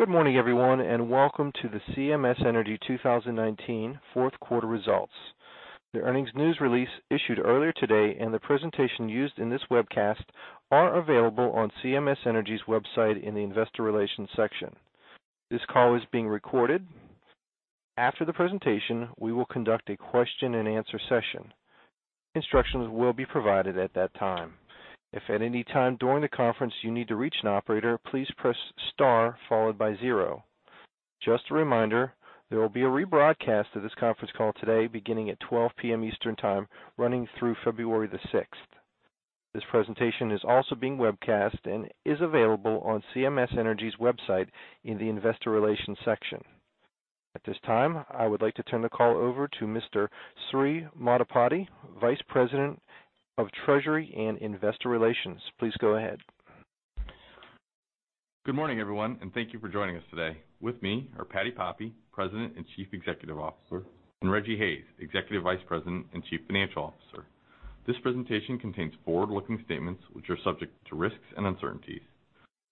Good morning, everyone, and welcome to the CMS Energy 2019 fourth quarter results. The earnings news release issued earlier today and the presentation used in this webcast are available on CMS Energy's website in the Investor Relations section. This call is being recorded. After the presentation, we will conduct a question-and-answer session. Instructions will be provided at that time. If at any time during the conference you need to reach an operator, please press star followed by zero. Just a reminder, there will be a rebroadcast of this conference call today beginning at 12:00 P.M. Eastern Time, running through February the 6th. This presentation is also being webcast and is available on CMS Energy's website in the Investor Relations section. At this time, I would like to turn the call over to Mr. Srikanth Maddipati, Vice President of Treasury and Investor Relations. Please go ahead. Good morning, everyone, and thank you for joining us today. With me are Patti Poppe, President and Chief Executive Officer, and Rejji Hayes, Executive Vice President and Chief Financial Officer. This presentation contains forward-looking statements which are subject to risks and uncertainties.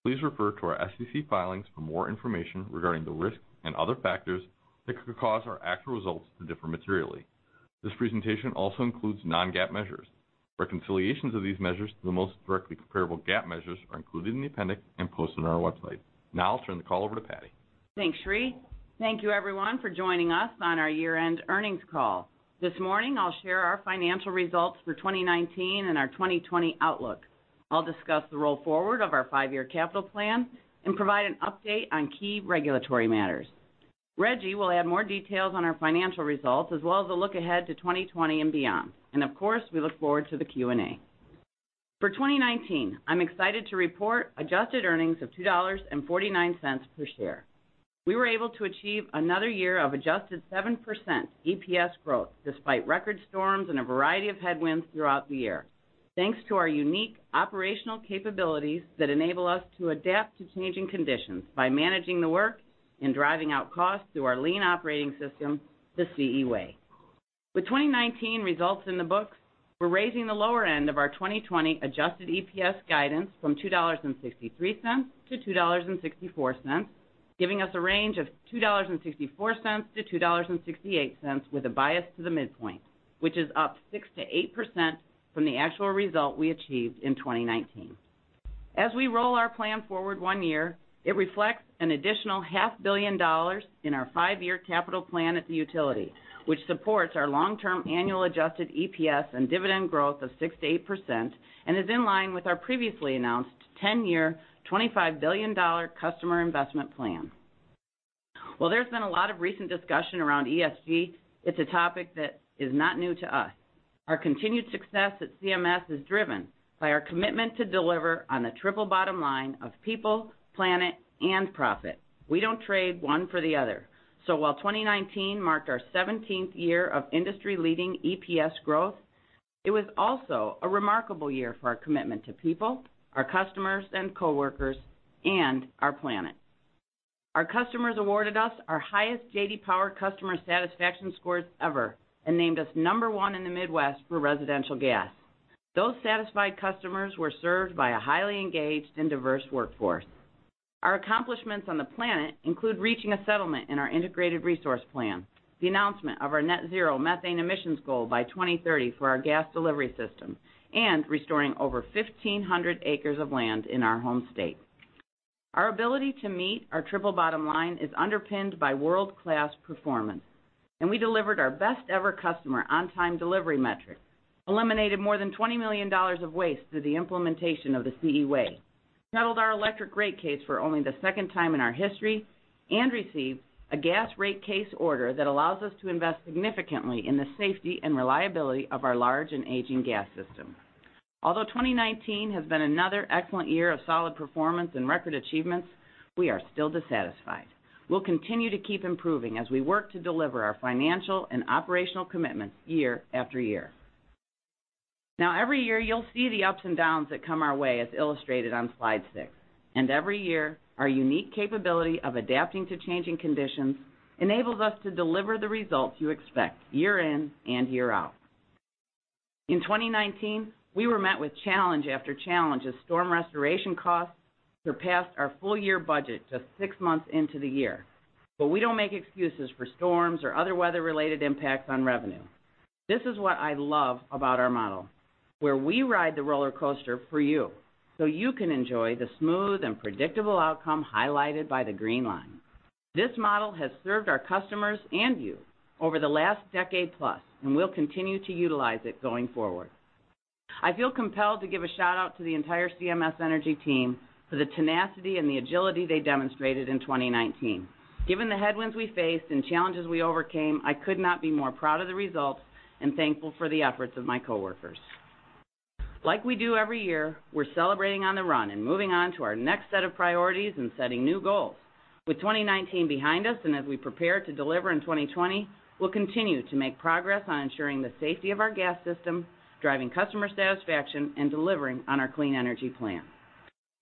Please refer to our SEC filings for more information regarding the risk and other factors that could cause our actual results to differ materially. This presentation also includes non-GAAP measures. Reconciliations of these measures to the most directly comparable GAAP measures are included in the appendix and posted on our website. Now I'll turn the call over to Patti. Thanks, Sri. Thank you everyone for joining us on our year-end earnings call. This morning, I'll share our financial results for 2019 and our 2020 outlook. I'll discuss the roll forward of our five-year capital plan and provide an update on key regulatory matters. Reggie will add more details on our financial results as well as a look ahead to 2020 and beyond. Of course, we look forward to the Q&A. For 2019, I'm excited to report adjusted earnings of $2.49 per share. We were able to achieve another year of adjusted 7% EPS growth despite record storms and a variety of headwinds throughout the year, thanks to our unique operational capabilities that enable us to adapt to changing conditions by managing the work and driving out costs through our lean operating system, the CE Way. With 2019 results in the books, we're raising the lower end of our 2020 adjusted EPS guidance from $2.63 to $2.64, giving us a range of $2.64 -$2.68 with a bias to the midpoint, which is up 6%-8% from the actual result we achieved in 2019. As we roll our plan forward one year, it reflects an additional $0.5 billion in our five-year capital plan at the utility, which supports our long-term annual adjusted EPS and dividend growth of 6% to 8% and is in line with our previously announced 10-year, $25 billion customer investment plan. While there's been a lot of recent discussion around ESG, it's a topic that is not new to us. Our continued success at CMS is driven by our commitment to deliver on the triple bottom line of people, planet, and profit. We don't trade one for the other. While 2019 marked our 17th year of industry-leading EPS growth, it was also a remarkable year for our commitment to people, our customers and coworkers, and our planet. Our customers awarded us our highest J.D. Power customer satisfaction scores ever and named us number 1 in the Midwest for residential gas. Those satisfied customers were served by a highly engaged and diverse workforce. Our accomplishments on the planet include reaching a settlement in our Integrated Resource Plan, the announcement of our net zero methane emissions goal by 2030 for our gas delivery system, and restoring over 1,500 acres of land in our home state. Our ability to meet our triple bottom line is underpinned by world-class performance. We delivered our best ever customer on-time delivery metric, eliminated more than $20 million of waste through the implementation of the CE Way, settled our electric rate case for only the second time in our history, and received a gas rate case order that allows us to invest significantly in the safety and reliability of our large and aging gas system. Although 2019 has been another excellent year of solid performance and record achievements, we are still dissatisfied. We'll continue to keep improving as we work to deliver our financial and operational commitments year after year. Every year you'll see the ups and downs that come our way, as illustrated on slide six. Every year, our unique capability of adapting to changing conditions enables us to deliver the results you expect year in and year out. In 2019, we were met with challenge after challenge as storm restoration costs surpassed our full-year budget just six months into the year. We don't make excuses for storms or other weather-related impacts on revenue. This is what I love about our model, where we ride the roller coaster for you, so you can enjoy the smooth and predictable outcome highlighted by the green line. This model has served our customers and you over the last decade plus, and we'll continue to utilize it going forward. I feel compelled to give a shout-out to the entire CMS Energy team for the tenacity and the agility they demonstrated in 2019. Given the headwinds we faced and challenges we overcame, I could not be more proud of the results and thankful for the efforts of my coworkers. Like we do every year, we're celebrating on the run and moving on to our next set of priorities and setting new goals. With 2019 behind us and as we prepare to deliver in 2020, we'll continue to make progress on ensuring the safety of our gas system, driving customer satisfaction, and delivering on our clean energy plan.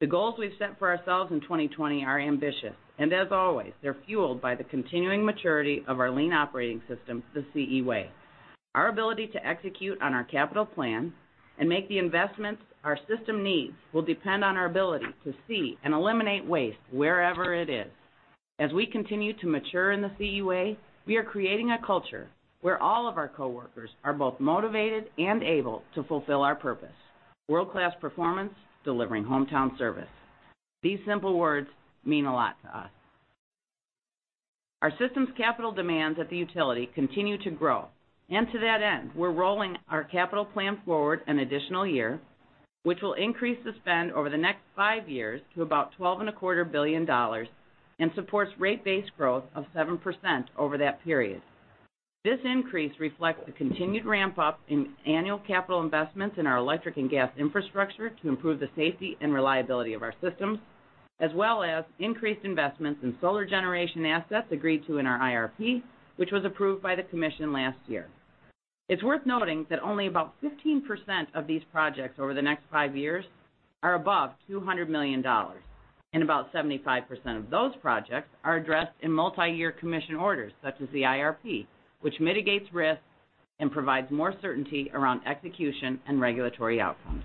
The goals we've set for ourselves in 2020 are ambitious, and as always, they're fueled by the continuing maturity of our lean operating system, the CE Way. Our ability to execute on our capital plan and make the investments our system needs will depend on our ability to see and eliminate waste wherever it is. As we continue to mature in the CE Way, we are creating a culture where all of our coworkers are both motivated and able to fulfill our purpose, world-class performance, delivering hometown service. These simple words mean a lot to us. Our system's capital demands at the utility continue to grow, and to that end, we're rolling our capital plan forward an additional year, which will increase the spend over the next five years to about $12.25 billion and supports rate base growth of 7% over that period. This increase reflects the continued ramp-up in annual capital investments in our electric and gas infrastructure to improve the safety and reliability of our systems, as well as increased investments in solar generation assets agreed to in our IRP, which was approved by the Commission last year. It's worth noting that only about 15% of these projects over the next five years are above $200 million, and about 75% of those projects are addressed in multi-year Commission orders such as the IRP, which mitigates risk and provides more certainty around execution and regulatory outcomes.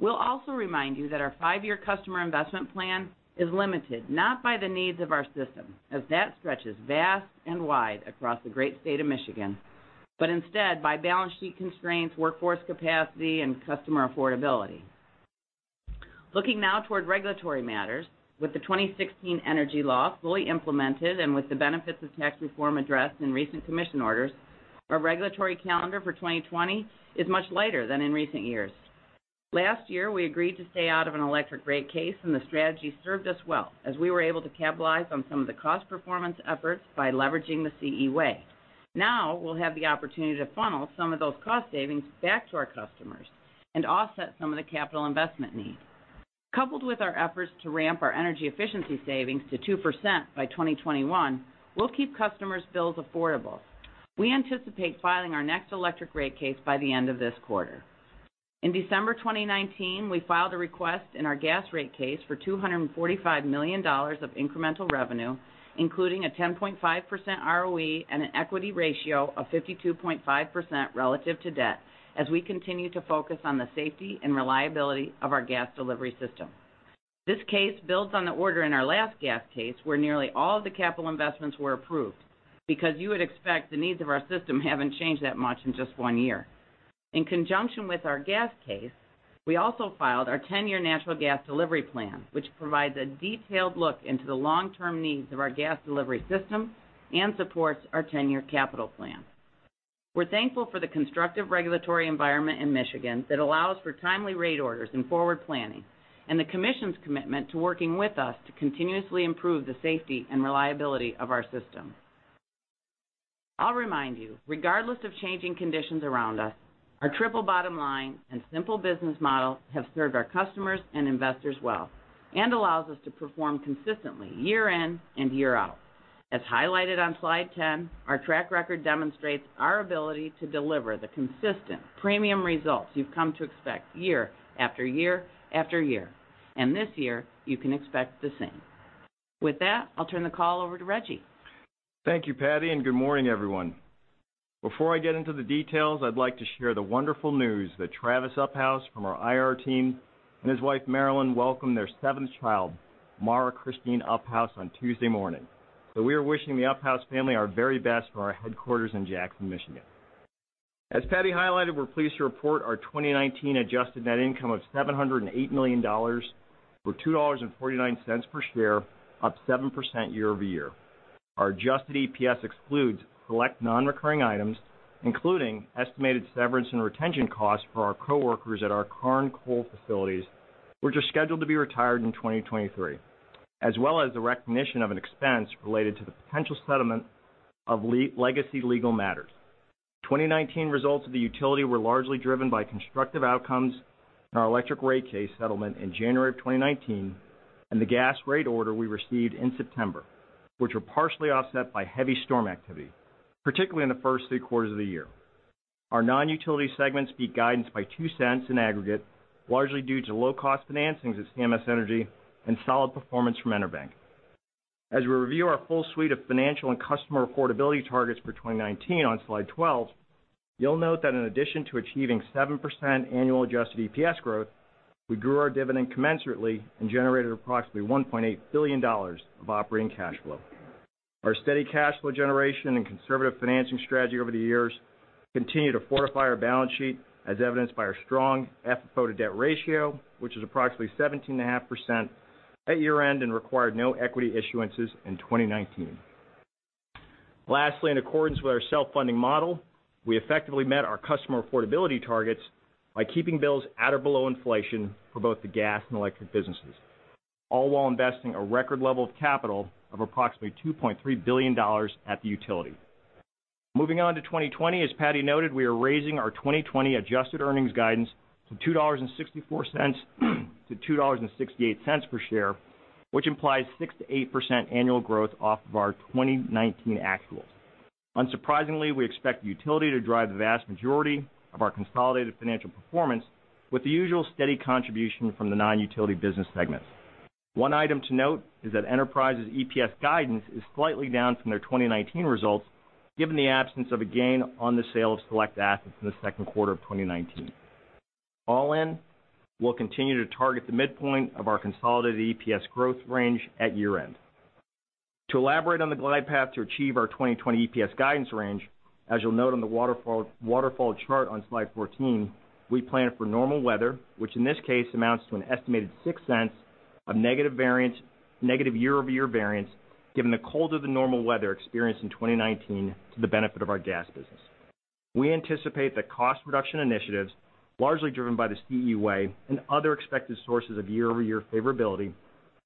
We'll also remind you that our five-year customer investment plan is limited, not by the needs of our system, as that stretches vast and wide across the great state of Michigan, but instead, by balance sheet constraints, workforce capacity, and customer affordability. Looking now toward regulatory matters. With the 2016 energy law fully implemented and with the benefits of tax reform addressed in recent Commission orders, our regulatory calendar for 2020 is much lighter than in recent years. Last year, we agreed to stay out of an electric rate case. The strategy served us well, as we were able to capitalize on some of the cost performance efforts by leveraging the CE Way. Now, we'll have the opportunity to funnel some of those cost savings back to our customers and offset some of the capital investment needs. Coupled with our efforts to ramp our energy efficiency savings to 2% by 2021, we'll keep customers' bills affordable. We anticipate filing our next electric rate case by the end of this quarter. In December 2019, we filed a request in our gas rate case for $245 million of incremental revenue, including a 10.5% ROE and an equity ratio of 52.5% relative to debt as we continue to focus on the safety and reliability of our gas delivery system. This case builds on the order in our last gas case, where nearly all of the capital investments were approved because you would expect the needs of our system haven't changed that much in just one year. In conjunction with our gas case, we also filed our 10-year Natural Gas Delivery Plan, which provides a detailed look into the long-term needs of our gas delivery system and supports our 10-year capital plan. We're thankful for the constructive regulatory environment in Michigan that allows for timely rate orders and forward planning, and the Commission's commitment to working with us to continuously improve the safety and reliability of our system. I'll remind you, regardless of changing conditions around us, our triple bottom line and simple business model have served our customers and investors well and allows us to perform consistently year in and year out. As highlighted on slide 10, our track record demonstrates our ability to deliver the consistent premium results you've come to expect year, after year, after year, and this year, you can expect the same. With that, I'll turn the call over to Rejji. Thank you, Patti, and good morning, everyone. Before I get into the details, I'd like to share the wonderful news that Travis Uphaus from our IR team and his wife Marilyn welcomed their seventh child, Mara Christine Uphaus, on Tuesday morning. We are wishing the Uphaus family our very best from our headquarters in Jackson, Michigan. As Patti highlighted, we're pleased to report our 2019 adjusted net income of $708 million, or $2.49 per share, up 7% year-over-year. Our adjusted EPS excludes select non-recurring items, including estimated severance and retention costs for our coworkers at our Karn coal facilities, which are scheduled to be retired in 2023, as well as the recognition of an expense related to the potential settlement of legacy legal matters. 2019 results of the utility were largely driven by constructive outcomes in our electric rate case settlement in January of 2019 and the gas rate order we received in September, which were partially offset by heavy storm activity, particularly in the first three quarters of the year. Our non-utility segments beat guidance by $0.02 in aggregate, largely due to low-cost financings at CMS Energy and solid performance from EnerBank. As we review our full suite of financial and customer affordability targets for 2019 on slide 12, you'll note that in addition to achieving 7% annual adjusted EPS growth, we grew our dividend commensurately and generated approximately $1.8 billion of operating cash flow. Our steady cash flow generation and conservative financing strategy over the years continue to fortify our balance sheet, as evidenced by our strong FFO to debt ratio, which is approximately 17.5% at year-end and required no equity issuances in 2019. Lastly, in accordance with our self-funding model, we effectively met our customer affordability targets by keeping bills at or below inflation for both the gas and electric businesses, all while investing a record level of capital of approximately $2.3 billion at the utility. Moving on to 2020, as Patti noted, we are raising our 2020 adjusted earnings guidance from $2.64-$2.68 per share, which implies 6%-8% annual growth off of our 2019 actuals. Unsurprisingly, we expect the utility to drive the vast majority of our consolidated financial performance with the usual steady contribution from the non-utility business segments. One item to note is that Enterprise's EPS guidance is slightly down from their 2019 results, given the absence of a gain on the sale of select assets in the second quarter of 2019. All in, we'll continue to target the midpoint of our consolidated EPS growth range at year-end. To elaborate on the glide path to achieve our 2020 EPS guidance range, as you'll note on the waterfall chart on slide 14, we plan for normal weather, which in this case amounts to an estimated $0.06 of negative year-over-year variance given the colder-than-normal weather experienced in 2019 to the benefit of our gas business. We anticipate that cost reduction initiatives, largely driven by the CE Way and other expected sources of year-over-year favorability,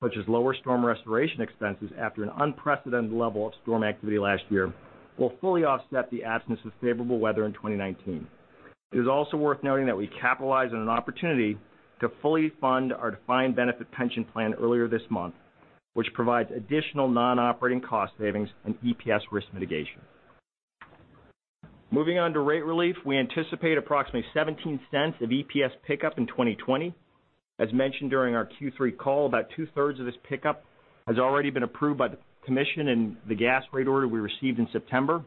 such as lower storm restoration expenses after an unprecedented level of storm activity last year, will fully offset the absence of favorable weather in 2019. It is also worth noting that we capitalized on an opportunity to fully fund our defined benefit pension plan earlier this month, which provides additional non-operating cost savings and EPS risk mitigation. Moving on to rate relief, we anticipate approximately $0.17 of EPS pickup in 2020. As mentioned during our Q3 call, about two-thirds of this pickup has already been approved by the commission in the gas rate order we received in September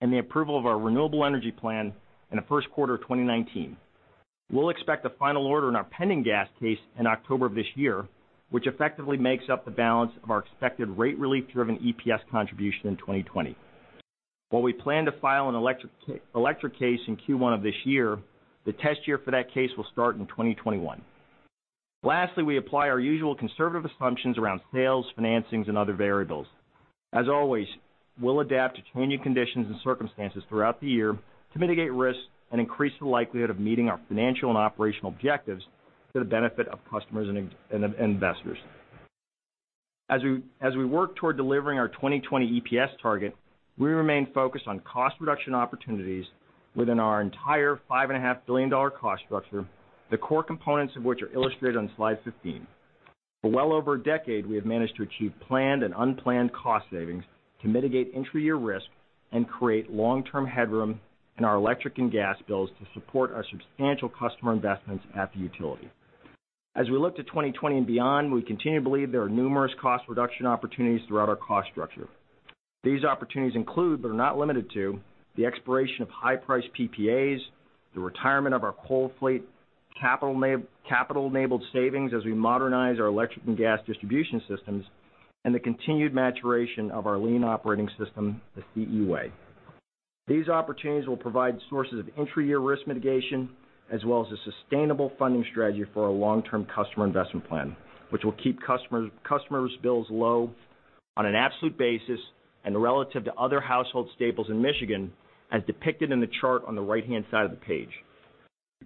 and the approval of our renewable energy plan in the first quarter of 2019. We'll expect a final order in our pending gas case in October of this year, which effectively makes up the balance of our expected rate relief-driven EPS contribution in 2020. We plan to file an electric case in Q1 of this year, the test year for that case will start in 2021. Lastly, we apply our usual conservative assumptions around sales, financings, and other variables. As always, we'll adapt to changing conditions and circumstances throughout the year to mitigate risks and increase the likelihood of meeting our financial and operational objectives for the benefit of customers and investors. We work toward delivering our 2020 EPS target, we remain focused on cost reduction opportunities within our entire $5.5 billion cost structure, the core components of which are illustrated on slide 15. For well over a decade, we have managed to achieve planned and unplanned cost savings to mitigate intra-year risk and create long-term headroom in our electric and gas bills to support our substantial customer investments at the utility. As we look to 2020 and beyond, we continue to believe there are numerous cost reduction opportunities throughout our cost structure. These opportunities include, but are not limited to, the expiration of high-priced PPAs, the retirement of our coal fleet, capital-enabled savings as we modernize our electric and gas distribution systems, and the continued maturation of our lean operating system, the CE Way. These opportunities will provide sources of intra-year risk mitigation, as well as a sustainable funding strategy for our long-term customer investment plan, which will keep customers' bills low on an absolute basis and relative to other household staples in Michigan, as depicted in the chart on the right-hand side of the page.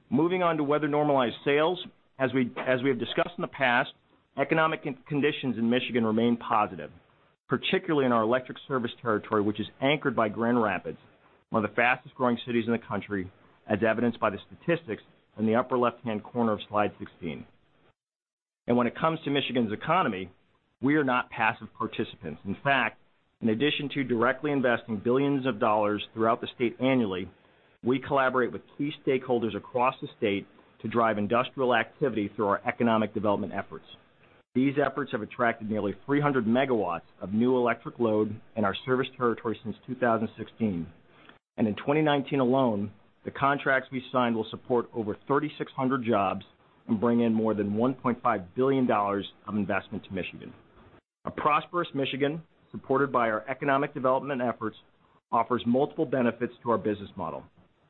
Moving on to weather-normalized sales. As we have discussed in the past, economic conditions in Michigan remain positive, particularly in our electric service territory, which is anchored by Grand Rapids, one of the fastest-growing cities in the country, as evidenced by the statistics in the upper left-hand corner of slide 16. When it comes to Michigan's economy, we are not passive participants. In fact, in addition to directly investing billions of dollars throughout the state annually, we collaborate with key stakeholders across the state to drive industrial activity through our economic development efforts. These efforts have attracted nearly 300 MW of new electric load in our service territory since 2016. In 2019 alone, the contracts we signed will support over 3,600 jobs and bring in more than $1.5 billion of investment to Michigan. A prosperous Michigan, supported by our economic development efforts, offers multiple benefits to our business model.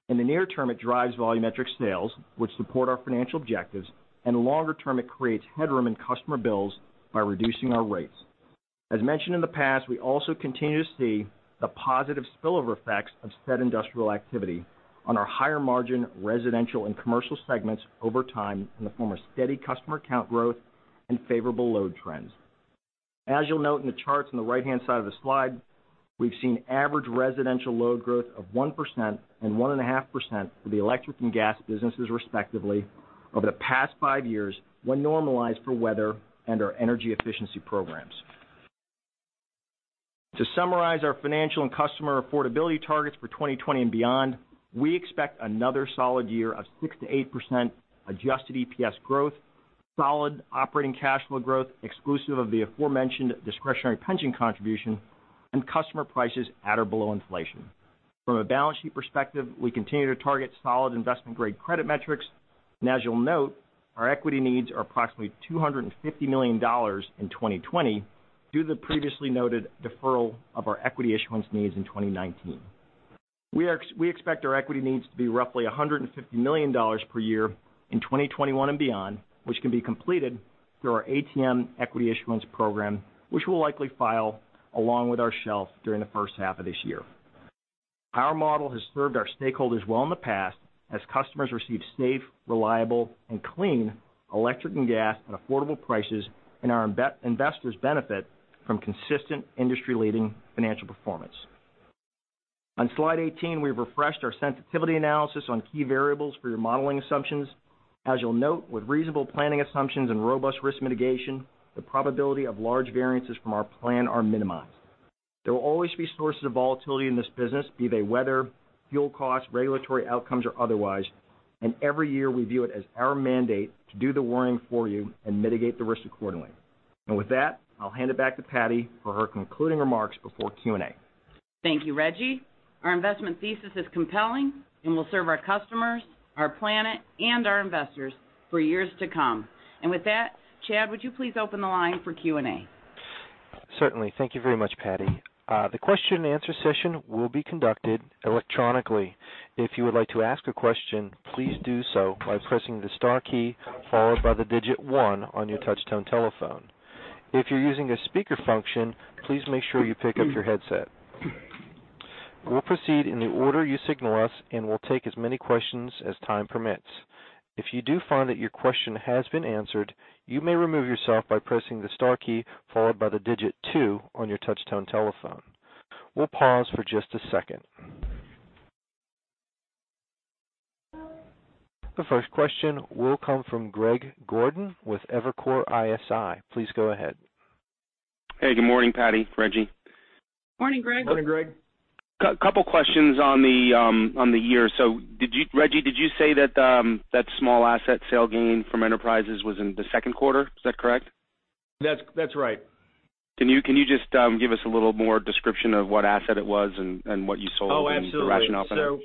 In the near term, it drives volumetric sales, which support our financial objectives, and longer term, it creates headroom in customer bills by reducing our rates. As mentioned in the past, we also continue to see the positive spillover effects of said industrial activity on our higher-margin residential and commercial segments over time in the form of steady customer count growth and favorable load trends. As you'll note in the charts on the right-hand side of the slide, we've seen average residential load growth of 1% and 1.5% for the electric and gas businesses respectively over the past five years when normalized for weather and our energy efficiency programs. To summarize our financial and customer affordability targets for 2020 and beyond, we expect another solid year of 6%-8% adjusted EPS growth, solid operating cash flow growth exclusive of the aforementioned discretionary pension contribution, and customer prices at or below inflation. From a balance sheet perspective, we continue to target solid investment-grade credit metrics. As you'll note, our equity needs are approximately $250 million in 2020 due to the previously noted deferral of our equity issuance needs in 2019. We expect our equity needs to be roughly $150 million per year in 2021 and beyond, which can be completed through our ATM equity issuance program, which we'll likely file along with our shelf during the first half of this year. Our model has served our stakeholders well in the past as customers receive safe, reliable, and clean electric and gas at affordable prices and our investors benefit from consistent industry-leading financial performance. On slide 18, we've refreshed our sensitivity analysis on key variables for your modeling assumptions. As you'll note, with reasonable planning assumptions and robust risk mitigation, the probability of large variances from our plan are minimized. There will always be sources of volatility in this business, be they weather, fuel costs, regulatory outcomes, or otherwise. Every year we view it as our mandate to do the worrying for you and mitigate the risk accordingly. With that, I'll hand it back to Patti for her concluding remarks before Q&A. Thank you, Rejji. Our investment thesis is compelling and will serve our customers, our planet, and our investors for years to come. With that, Chad, would you please open the line for Q&A? Certainly. Thank you very much, Patti. The question-and-answer session will be conducted electronically. If you would like to ask a question, please do so by pressing the star key followed by the digit one on your touchtone telephone. If you're using a speaker function, please make sure you pick up your headset. We'll proceed in the order you signal us, and we'll take as many questions as time permits. If you do find that your question has been answered, you may remove yourself by pressing the star key followed by the digit two on your touchtone telephone. We'll pause for just a second. The first question will come from Greg Gordon with Evercore ISI. Please go ahead. Hey, good morning, Patti, Rejji. Morning, Greg. Morning, Greg. Couple questions on the year. Rejji, did you say that the small asset sale gain from Enterprises was in the second quarter? Is that correct? That's right. Can you just give us a little more description of what asset it was and what you sold? Oh, absolutely. The rationale for that?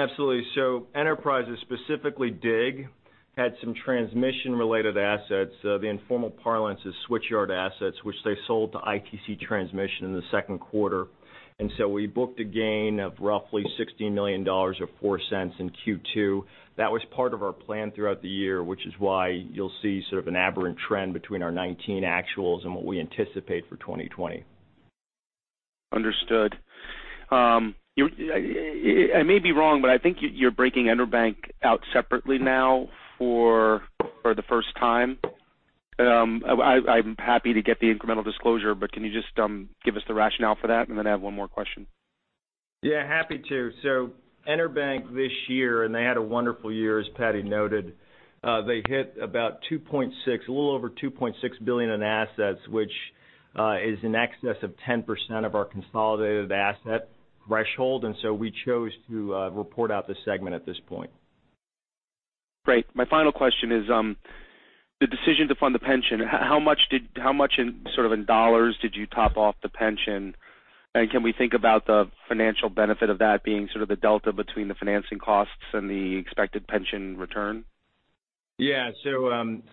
Absolutely. Enterprises, specifically DIG, had some transmission-related assets. The informal parlance is switch yard assets, which they sold to ITC Transmission in the second quarter. We booked a gain of roughly $60 million or $0.04 in Q2. That was part of our plan throughout the year, which is why you'll see sort of an aberrant trend between our 2019 actuals and what we anticipate for 2020. Understood. I may be wrong, but I think you're breaking EnerBank out separately now for the first time. I'm happy to get the incremental disclosure, but can you just give us the rationale for that? I have one more question. Yeah, happy to. EnerBank this year, and they had a wonderful year, as Patti noted. They hit a little over $2.6 billion in assets, which is in excess of 10% of our consolidated asset threshold. We chose to report out the segment at this point. Great. My final question is the decision to fund the pension. How much in dollars did you top off the pension? Can we think about the financial benefit of that being sort of the delta between the financing costs and the expected pension return? Yeah.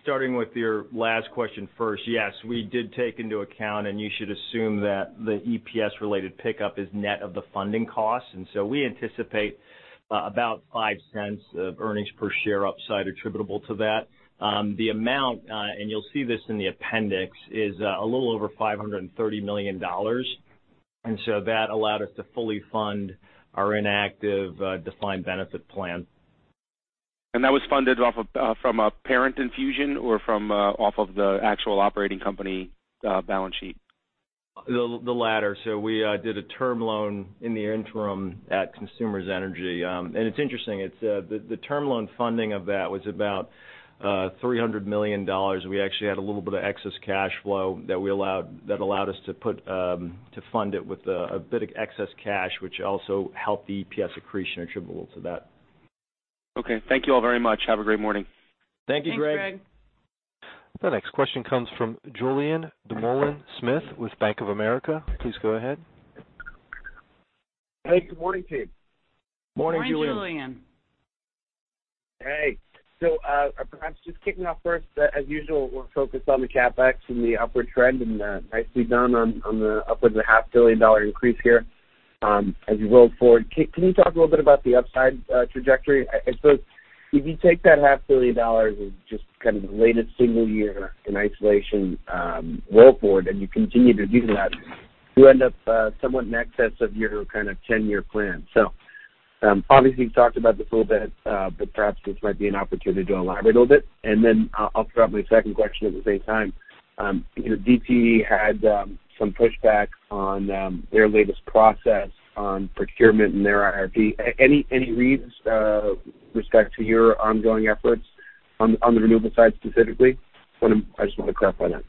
Starting with your last question first. Yes, we did take into account, and you should assume that the EPS-related pickup is net of the funding cost. We anticipate about $0.05 of earnings per share upside attributable to that. The amount, and you'll see this in the appendix, is a little over $530 million. That allowed us to fully fund our inactive defined benefit plan. That was funded from a parent infusion or off of the actual operating company balance sheet? The latter. We did a term loan in the interim at Consumers Energy. It's interesting, the term loan funding of that was about $300 million. We actually had a little bit of excess cash flow that allowed us to fund it with a bit of excess cash, which also helped the EPS accretion attributable to that. Okay. Thank you all very much. Have a great morning. Thank you, Greg. Thanks, Greg. The next question comes from Julien Dumoulin-Smith with Bank of America. Please go ahead. Hey, good morning, team. Morning, Julien. Morning, Julien. Hey. Perhaps just kicking off first, as usual, we're focused on the CapEx and the upward trend, and nicely done on the upwards of half a billion dollar increase here as you roll forward. Can you talk a little bit about the upside trajectory? It looks if you take that half billion dollars as just kind of the latest single year in isolation roll forward, and you continue to do that, you end up somewhat in excess of your kind of 10-year plan. Obviously you talked about this a little bit, but perhaps this might be an opportunity to elaborate a little bit, and then I'll throw out my second question at the same time. DTE had some pushback on their latest process on procurement and their IRP. Any reads with respect to your ongoing efforts on the renewable side specifically? I just want to clarify that.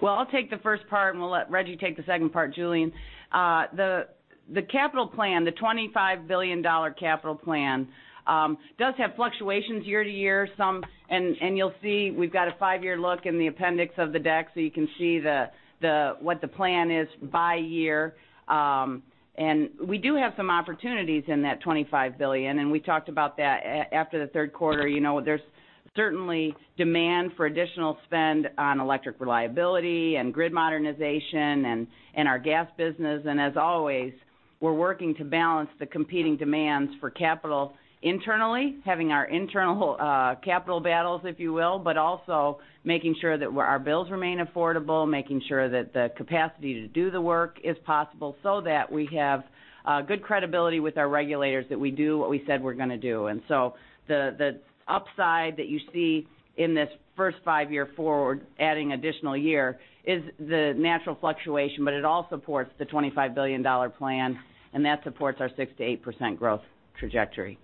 Well, I'll take the first part, and we'll let Rejji take the second part, Julien. The $25 billion capital plan does have fluctuations year to year, and you'll see we've got a five-year look in the appendix of the deck, so you can see what the plan is by year. We do have some opportunities in that $25 billion, and we talked about that after the third quarter. There's certainly demand for additional spend on electric reliability and grid modernization and our gas business. As always, we're working to balance the competing demands for capital internally, having our internal capital battles, if you will, but also making sure that our bills remain affordable, making sure that the capacity to do the work is possible, so that we have good credibility with our regulators that we do what we said we're going to do. The upside that you see in this first five-year forward, adding additional year, is the natural fluctuation, but it all supports the $25 billion plan, and that supports our 6%-8% growth trajectory.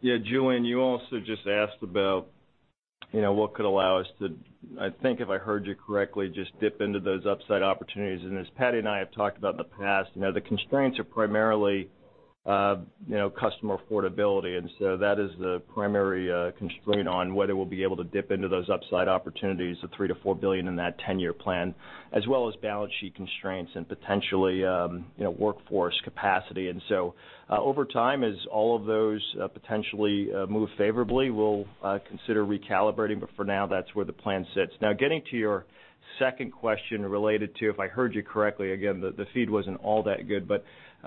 Yeah, Julien, you also just asked about what could allow us to, I think if I heard you correctly, just dip into those upside opportunities. As Patti and I have talked about in the past, the constraints are primarily customer affordability. That is the primary constraint on whether we'll be able to dip into those upside opportunities, the $3 billion-$4 billion in that 10-year plan, as well as balance sheet constraints and potentially workforce capacity. Over time, as all of those potentially move favorably, we'll consider recalibrating. For now, that's where the plan sits. Getting to your second question related to, if I heard you correctly, again, the feed wasn't all that good, but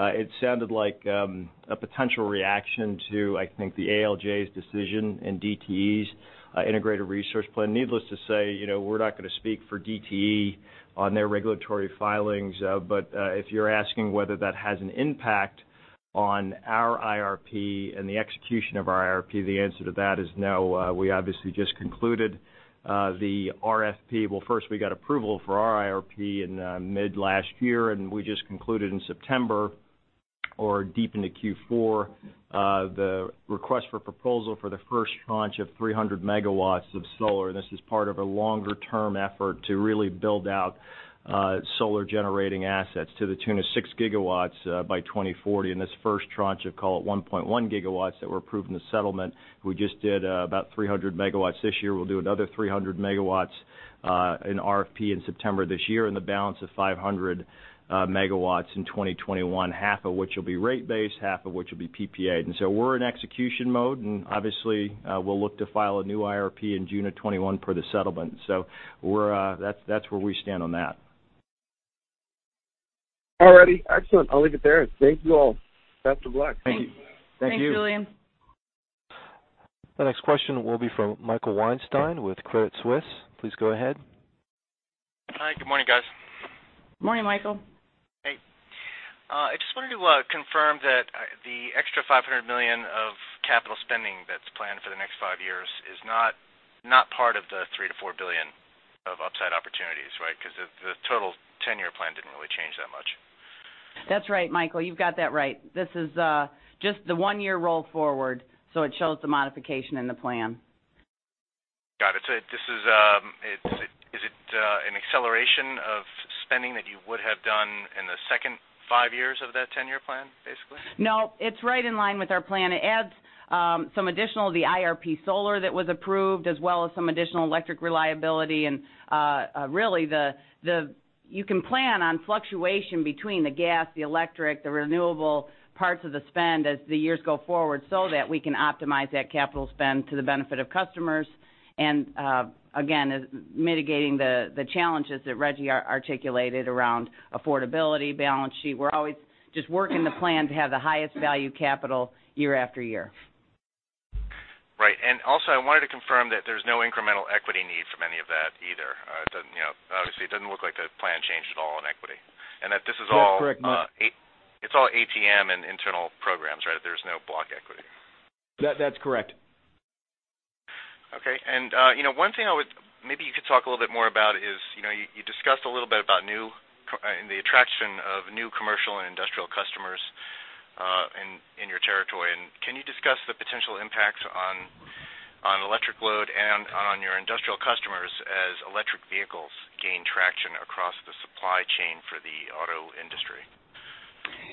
it sounded like a potential reaction to, I think, the ALJ's decision in DTE's Integrated Resource Plan. Needless to say, we're not going to speak for DTE on their regulatory filings. If you're asking whether that has an impact on our IRP and the execution of our IRP, the answer to that is no. We obviously just concluded the RFP. First we got approval for our IRP in mid last year, and we just concluded in September or deep into Q4, the request for proposal for the first tranche of 300 MW of solar. This is part of a longer-term effort to really build out solar-generating assets to the tune of 6 GW by 2040. This first tranche of, call it 1.1 GW that were approved in the settlement, we just did about 300 MW this year. We'll do another 300 MW in RFP in September this year, and the balance of 500 MW in 2021, half of which will be rate-based, half of which will be PPA'd. We're in execution mode, and obviously, we'll look to file a new IRP in June of 2021 per the settlement. That's where we stand on that. All righty. Excellent. I'll leave it there. Thank you all. Best of luck. Thank you. Thanks, Julien. The next question will be from Michael Weinstein with Credit Suisse. Please go ahead. Hi. Good morning, guys. Morning, Michael. Hey. I just wanted to confirm that the extra $500 million of capital spending that's planned for the next five years is not part of the $3 billion-$4 billion of upside opportunities, right? The total 10-year plan didn't really change that much. That's right, Michael. You've got that right. This is just the one-year roll forward. It shows the modification in the plan. Got it. Is it an acceleration of spending that you would have done in the second five years of that 10-year plan, basically? No, it's right in line with our plan. It adds some additional of the IRP solar that was approved, as well as some additional electric reliability. Really, you can plan on fluctuation between the gas, the electric, the renewable parts of the spend as the years go forward so that we can optimize that capital spend to the benefit of customers. Again, mitigating the challenges that Reggie articulated around affordability, balance sheet. We're always just working the plan to have the highest value capital year after year. Right. Also, I wanted to confirm that there's no incremental equity need from any of that either. Obviously, it doesn't look like the plan changed at all in equity. That's correct, Michael. it's all ATM and internal programs, right? There's no block equity. That's correct. Okay. One thing maybe you could talk a little bit more about is, you discussed a little bit about the attraction of new commercial and industrial customers in your territory. Can you discuss the potential impacts on electric load and on your industrial customers as electric vehicles gain traction across the supply chain for the auto industry?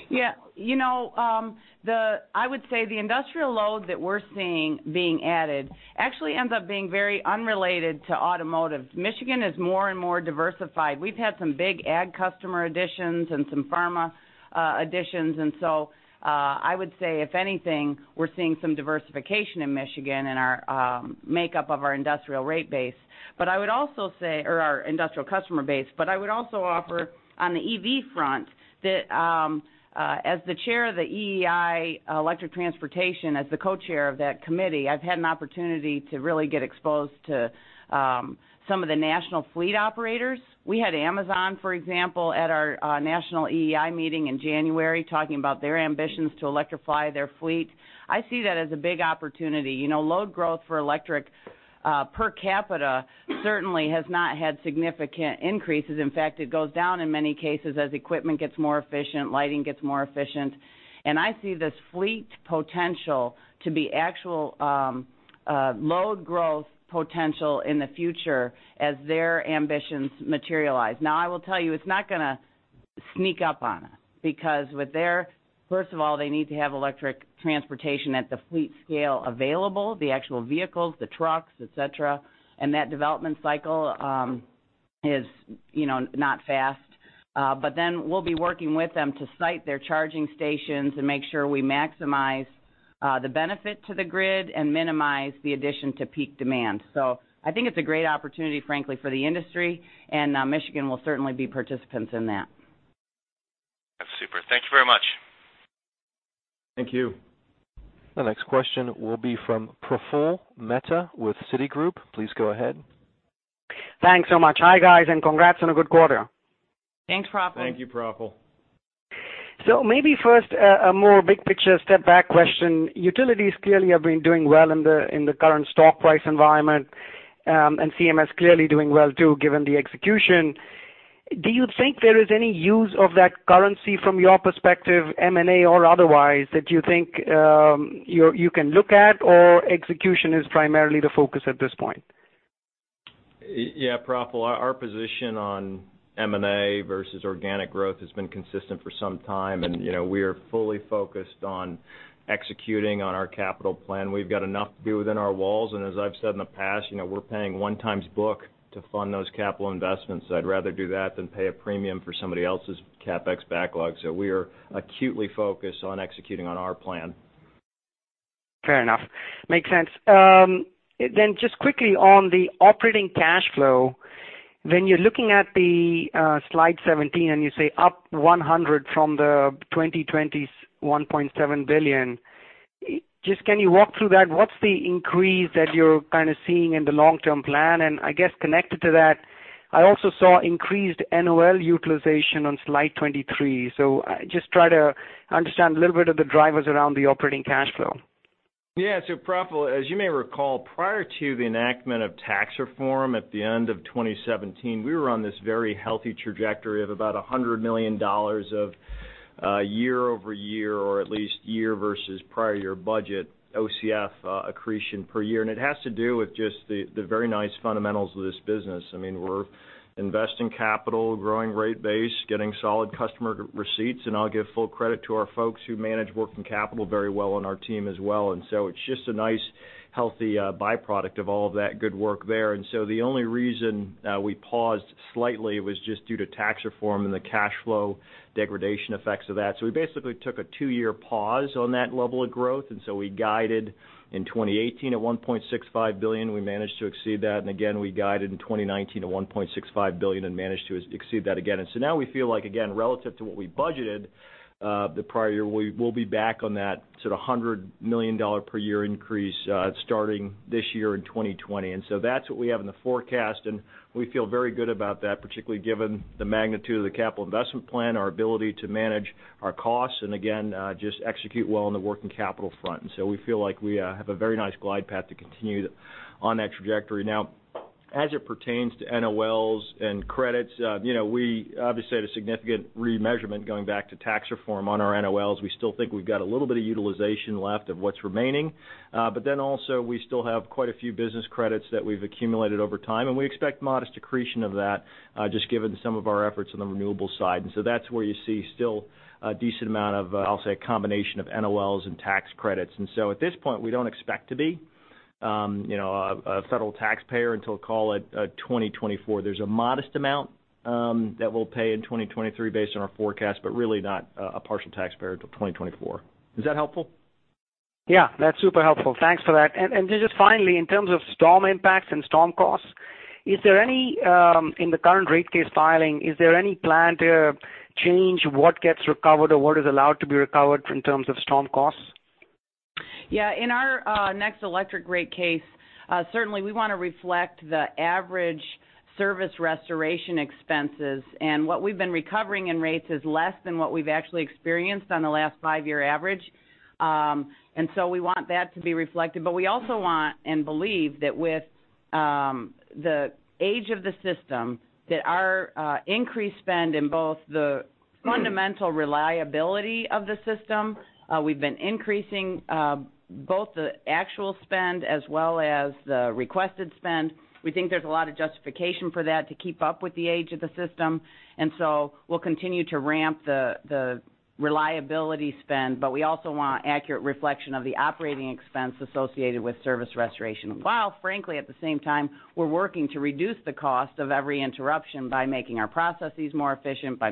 Yeah. I would say the industrial load that we're seeing being added actually ends up being very unrelated to automotive. Michigan is more and more diversified. We've had some big ag customer additions and some pharma additions. I would say, if anything, we're seeing some diversification in Michigan in our makeup of our industrial rate base. I would also say, or our industrial customer base, but I would also offer on the EV front that as the chair of the EEI Electric Transportation, as the co-chair of that committee, I've had an opportunity to really get exposed to some of the national fleet operators. We had Amazon, for example, at our national EEI meeting in January talking about their ambitions to electrify their fleet. I see that as a big opportunity. Load growth for electric per capita certainly has not had significant increases. In fact, it goes down in many cases as equipment gets more efficient, lighting gets more efficient. I see this fleet potential to be actual load growth potential in the future as their ambitions materialize. Now, I will tell you, it's not going to sneak up on us because first of all, they need to have electric transportation at the fleet scale available, the actual vehicles, the trucks, et cetera. We'll be working with them to site their charging stations and make sure we maximize the benefit to the grid and minimize the addition to peak demand. I think it's a great opportunity, frankly, for the industry, and Michigan will certainly be participants in that. That's super. Thank you very much. Thank you. The next question will be from Praful Mehta with Citigroup. Please go ahead. Thanks so much. Hi, guys, and congrats on a good quarter. Thanks, Praful. Thank you, Praful. Maybe first, a more big-picture step back question. Utilities clearly have been doing well in the current stock price environment, and CMS clearly doing well too, given the execution. Do you think there is any use of that currency from your perspective, M&A or otherwise, that you think you can look at, or execution is primarily the focus at this point? Yeah, Praful, our position on M&A versus organic growth has been consistent for some time. We are fully focused on executing on our capital plan. We've got enough to do within our walls. As I've said in the past, we're paying one times book to fund those capital investments. I'd rather do that than pay a premium for somebody else's CapEx backlog. We are acutely focused on executing on our plan. Fair enough. Makes sense. Just quickly on the operating cash flow, when you're looking at the slide 17 and you say up $100 from the 2020's $1.7 billion, just can you walk through that? What's the increase that you're kind of seeing in the long-term plan? I guess connected to that, I also saw increased NOL utilization on slide 23. Just try to understand a little bit of the drivers around the operating cash flow. Praful, as you may recall, prior to the enactment of tax reform at the end of 2017, we were on this very healthy trajectory of about $100 million of year-over-year, or at least year versus prior year budget, OCF accretion per year. It has to do with just the very nice fundamentals of this business. We're investing capital, growing rate base, getting solid customer receipts, and I'll give full credit to our folks who manage working capital very well on our team as well. It's just a nice healthy byproduct of all of that good work there. The only reason we paused slightly was just due to tax reform and the cash flow degradation effects of that. We basically took a two-year pause on that level of growth, and so we guided in 2018 at $1.65 billion. We managed to exceed that. Again, we guided in 2019 to $1.65 billion and managed to exceed that again. Now we feel like, again, relative to what we budgeted the prior year, we'll be back on that sort of $100 million per year increase starting this year in 2020. That's what we have in the forecast, and we feel very good about that, particularly given the magnitude of the capital investment plan, our ability to manage our costs, again, just execute well on the working capital front. We feel like we have a very nice glide path to continue on that trajectory. Now, as it pertains to NOLs and credits, we obviously had a significant remeasurement going back to tax reform on our NOLs. We still think we've got a little bit of utilization left of what's remaining. Also, we still have quite a few business credits that we've accumulated over time, and we expect modest accretion of that, just given some of our efforts on the renewables side. That's where you see still a decent amount of, I'll say, a combination of NOLs and tax credits. At this point, we don't expect to be a federal taxpayer until, call it 2024. There's a modest amount that we'll pay in 2023 based on our forecast, but really not a partial taxpayer till 2024. Is that helpful? Yeah, that's super helpful. Thanks for that. Just finally, in terms of storm impacts and storm costs, in the current rate case filing, is there any plan to change what gets recovered or what is allowed to be recovered in terms of storm costs? Yeah. In our next electric rate case, certainly we want to reflect the average service restoration expenses. What we've been recovering in rates is less than what we've actually experienced on the last five-year average. We want that to be reflected, but we also want and believe that with the age of the system, that our increased spend in both the fundamental reliability of the system, we've been increasing both the actual spend as well as the requested spend. We think there's a lot of justification for that to keep up with the age of the system. We'll continue to ramp the reliability spend, but we also want accurate reflection of the operating expense associated with service restoration. While frankly, at the same time, we're working to reduce the cost of every interruption by making our processes more efficient, by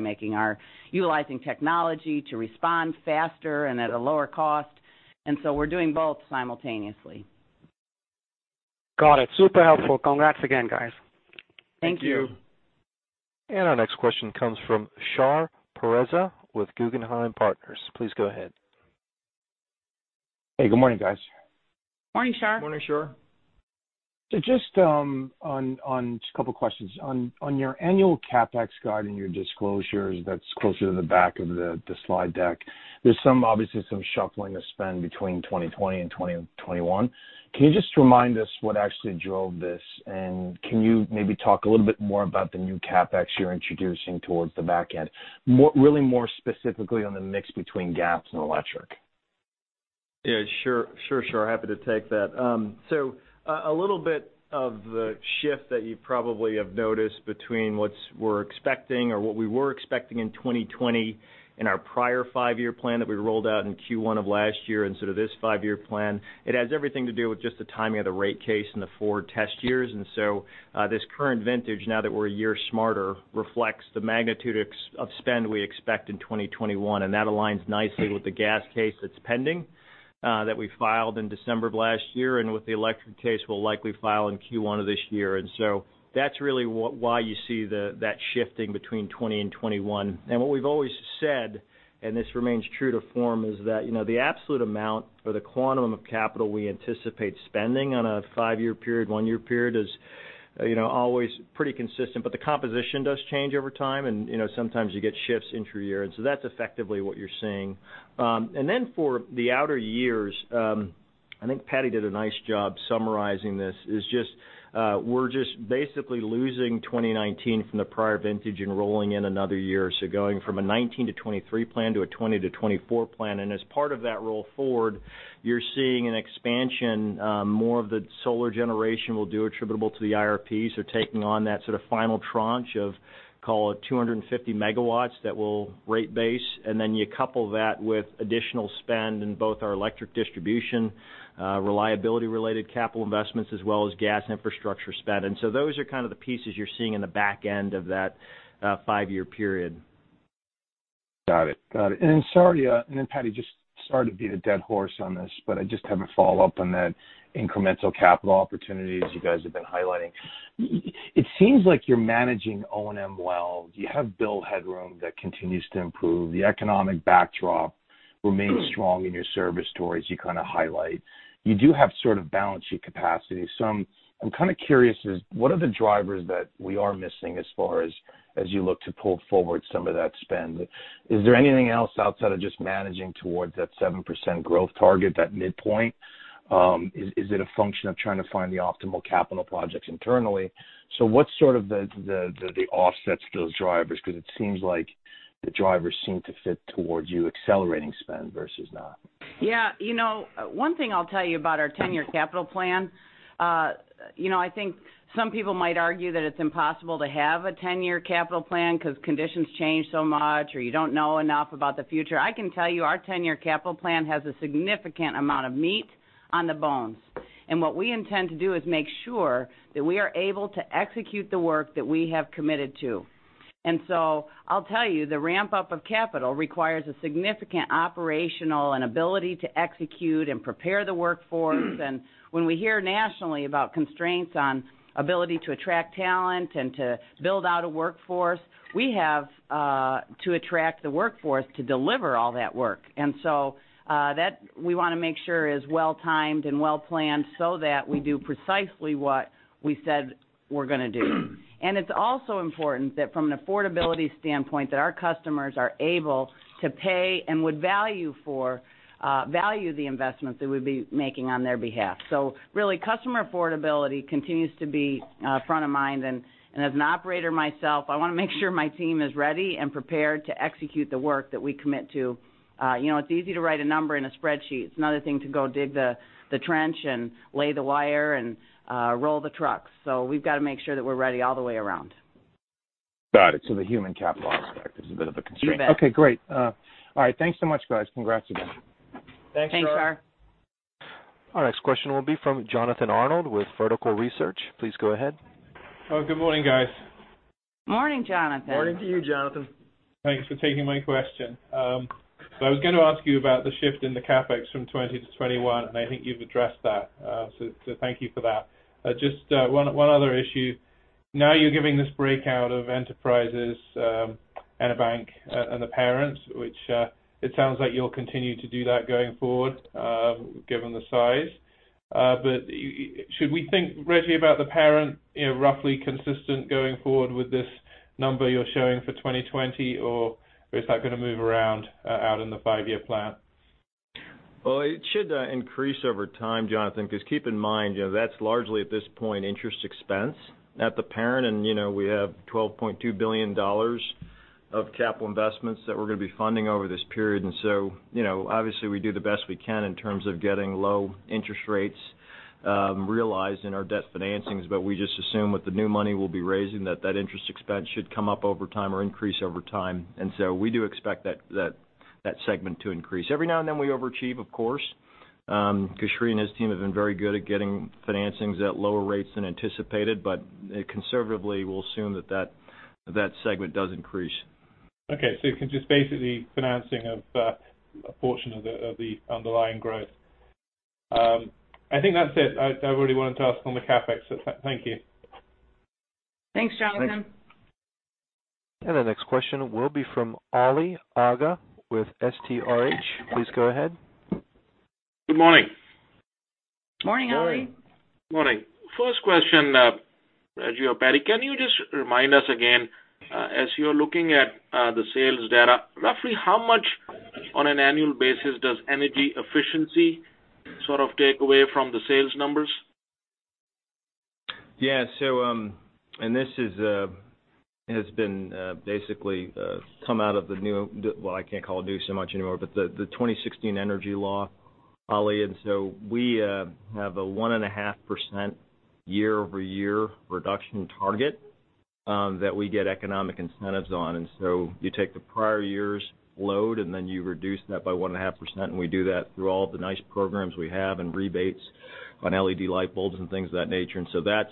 utilizing technology to respond faster and at a lower cost. We're doing both simultaneously. Got it. Super helpful. Congrats again, guys. Thank you. Thank you. Our next question comes from Shar Pourreza with Guggenheim Partners. Please go ahead. Hey, good morning, guys. Morning, Shar. Morning, Shar. Just a couple of questions. On your annual CapEx guide and your disclosures that is closer to the back of the slide deck, there is obviously some shuffling of spend between 2020 and 2021. Can you just remind us what actually drove this, and can you maybe talk a little bit more about the new CapEx you are introducing towards the back end? Really more specifically on the mix between gas and electric. Yeah, sure, Shar. Happy to take that. A little bit of the shift that you probably have noticed between what we're expecting or what we were expecting in 2020 in our prior five-year plan that we rolled out in Q1 of last year and sort of this five-year plan, it has everything to do with just the timing of the rate case and the four test years. This current vintage, now that we're one year smarter, reflects the magnitude of spend we expect in 2021, and that aligns nicely with the gas case that's pending, that we filed in December of last year and with the electric case we'll likely file in Q1 of this year. That's really why you see that shifting between 2020 and 2021. What we've always said, and this remains true to form, is that the absolute amount or the quantum of capital we anticipate spending on a five-year period, one-year period, is always pretty consistent, but the composition does change over time, and sometimes you get shifts intra-year. That's effectively what you're seeing. Then for the outer years. I think Patti did a nice job summarizing this. We're just basically losing 2019 from the prior vintage and rolling in another year. Going from a 2019 to 2023 plan to a 2020 to 2024 plan. As part of that roll forward, you're seeing an expansion. More of the solar generation we'll do attributable to the IRP, so taking on that sort of final tranche of, call it 250 MW that we'll rate base, and then you couple that with additional spend in both our electric distribution, reliability-related capital investments, as well as gas infrastructure spend. Those are kind of the pieces you're seeing in the back end of that five-year period. Got it. Patti, sorry to beat a dead horse on this, but I just have a follow-up on that incremental capital opportunities you guys have been highlighting. It seems like you're managing O&M well. You have bill headroom that continues to improve. The economic backdrop remains strong in your service stories you kind of highlight. You do have sort of balancing capacity. I'm kind of curious, what are the drivers that we are missing as far as you look to pull forward some of that spend? Is there anything else outside of just managing towards that 7% growth target, that midpoint? Is it a function of trying to find the optimal capital projects internally? What's sort of the offsets to those drivers? It seems like the drivers seem to fit towards you accelerating spend versus not. One thing I'll tell you about our 10-year capital plan. I think some people might argue that it's impossible to have a 10-year capital plan because conditions change so much or you don't know enough about the future. I can tell you our 10-year capital plan has a significant amount of meat on the bones. What we intend to do is make sure that we are able to execute the work that we have committed to. I'll tell you, the ramp-up of capital requires a significant operational and ability to execute and prepare the workforce. When we hear nationally about constraints on ability to attract talent and to build out a workforce, we have to attract the workforce to deliver all that work. That we want to make sure is well-timed and well-planned so that we do precisely what we said we're going to do. It's also important that from an affordability standpoint, that our customers are able to pay and would value the investments that we'd be making on their behalf. Really, customer affordability continues to be front of mind, and as an operator myself, I want to make sure my team is ready and prepared to execute the work that we commit to. It's easy to write a number in a spreadsheet. It's another thing to go dig the trench and lay the wire and roll the trucks. We've got to make sure that we're ready all the way around. Got it. The human capital aspect is a bit of a constraint. You bet. Okay, great. All right, thanks so much, guys. Congrats again. Thanks, Shar. Thanks, Shar. Our next question will be from Jonathan Arnold with Vertical Research. Please go ahead. Oh, good morning, guys. Morning, Jonathan. Morning to you, Jonathan. Thanks for taking my question. I was going to ask you about the shift in the CapEx from 2020 to 2021, and I think you've addressed that. Thank you for that. Just one other issue. Now you're giving this breakout of Enterprises and EnerBank and the parent, which it sounds like you'll continue to do that going forward, given the size. Should we think, Rejji, about the parent roughly consistent going forward with this number you're showing for 2020, or is that going to move around out in the five-year plan? Well, it should increase over time, Jonathan, because keep in mind, that's largely at this point, interest expense at the parent. We have $12.2 billion of capital investments that we're going to be funding over this period. Obviously we do the best we can in terms of getting low interest rates realized in our debt financings. We just assume with the new money we'll be raising that that interest expense should come up over time or increase over time. We do expect that segment to increase. Every now and then we overachieve, of course, because Sri and his team have been very good at getting financings at lower rates than anticipated, but conservatively, we'll assume that segment does increase. Okay. You can just basically financing of a portion of the underlying growth. I think that's it. I really wanted to ask on the CapEx. Thank you. Thanks, Jonathan. Thanks. The next question will be from Ali Agha with STRH. Please go ahead. Good morning. Morning, Ali. Morning. Morning. First question, Rejji or Patti, can you just remind us again, as you're looking at the sales data, roughly how much on an annual basis does energy efficiency sort of take away from the sales numbers? Yeah. This has been basically come out of the new, well, I can't call it new so much anymore, but the 2016 energy law, Ali, and so we have a 1.5% year-over-year reduction target that we get economic incentives on. You take the prior year's load, and then you reduce that by 1.5%, and we do that through all the nice programs we have and rebates on LED light bulbs and things of that nature. That's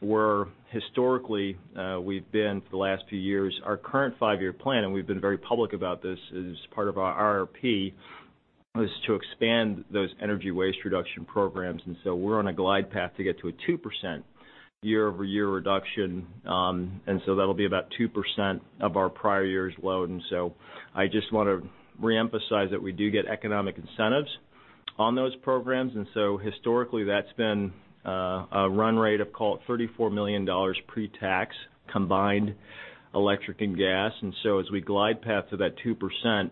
where historically we've been for the last few years. Our current five-year plan, and we've been very public about this, is part of our IRP, is to expand those energy waste reduction programs. We're on a glide path to get to a 2% year-over-year reduction. That'll be about 2% of our prior year's load. I just want to reemphasize that we do get economic incentives on those programs. Historically, that's been a run rate of, call it $34 million pre-tax combined electric and gas. As we glide path to that 2%.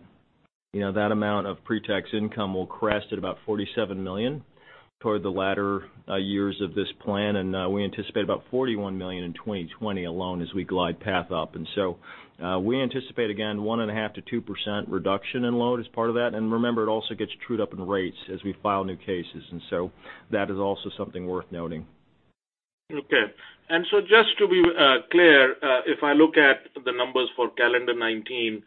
That amount of pre-tax income will crest at about $47 million toward the latter years of this plan. We anticipate about $41 million in 2020 alone as we glide path up. We anticipate, again, 1.5%-2% reduction in load as part of that. Remember, it also gets trued up in rates as we file new cases. That is also something worth noting. Okay. Just to be clear, if I look at the numbers for calendar 2019,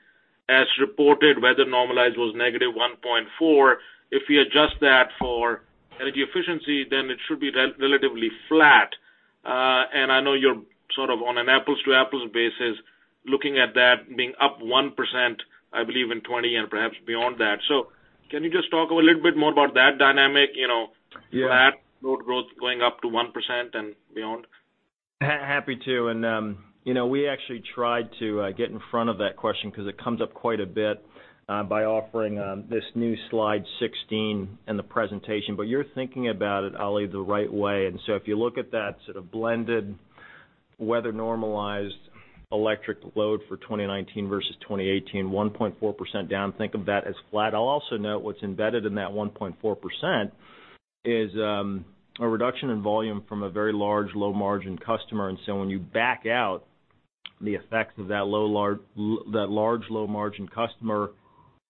as reported, weather-normalized was -1.4%. If we adjust that for energy efficiency, then it should be relatively flat. I know you're sort of on an apples-to-apples basis looking at that being up 1%, I believe, in 2020 and perhaps beyond that. Can you just talk a little bit more about that dynamic? Yeah flat load growth going up to 1% and beyond? Happy to. We actually tried to get in front of that question because it comes up quite a bit by offering this new slide 16 in the presentation. You're thinking about it, Ali, the right way. If you look at that sort of blended weather-normalized electric load for 2019 versus 2018, 1.4% down, think of that as flat. I'll also note what's embedded in that 1.4% is a reduction in volume from a very large low-margin customer. When you back out the effects of that large low-margin customer,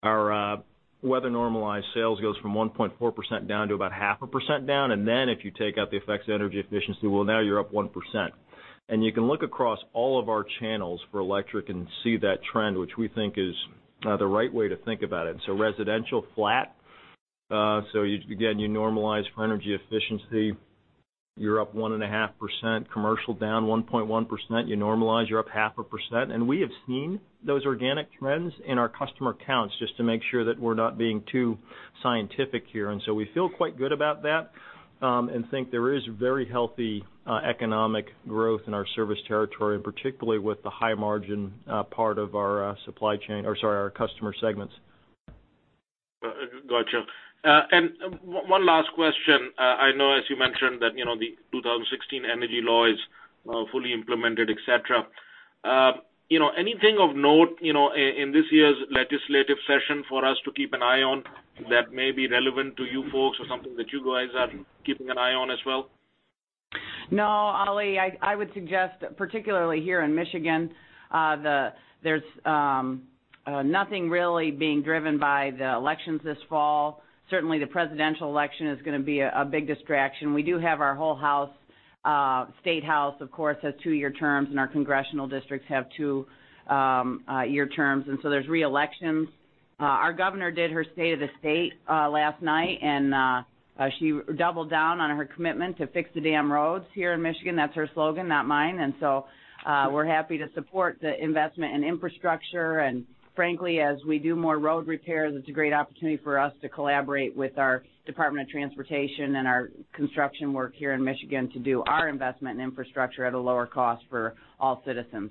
our weather-normalized sales goes from 1.4% down to about half a percent down. If you take out the effects of energy efficiency, well, now you're up 1%. You can look across all of our channels for electric and see that trend, which we think is the right way to think about it. Residential flat. Again, you normalize for energy efficiency, you're up 1.5%, commercial down 1.1%, you normalize, you're up 0.5%. We have seen those organic trends in our customer counts just to make sure that we're not being too scientific here. We feel quite good about that and think there is very healthy economic growth in our service territory, and particularly with the high margin part of our customer segments. Gotcha. One last question. I know as you mentioned that the 2016 energy law is fully implemented, et cetera. Anything of note in this year's legislative session for us to keep an eye on that may be relevant to you folks or something that you guys are keeping an eye on as well? Ali, I would suggest, particularly here in Michigan, there's nothing really being driven by the elections this fall. The presidential election is going to be a big distraction. We do have our whole house. State House, of course, has two-year terms, our congressional districts have two-year terms, there's re-elections. Our governor did her State of the State last night, she doubled down on her commitment to fix the damn roads here in Michigan. That's her slogan, not mine. We're happy to support the investment in infrastructure. Frankly, as we do more road repairs, it's a great opportunity for us to collaborate with our Department of Transportation and our construction work here in Michigan to do our investment in infrastructure at a lower cost for all citizens.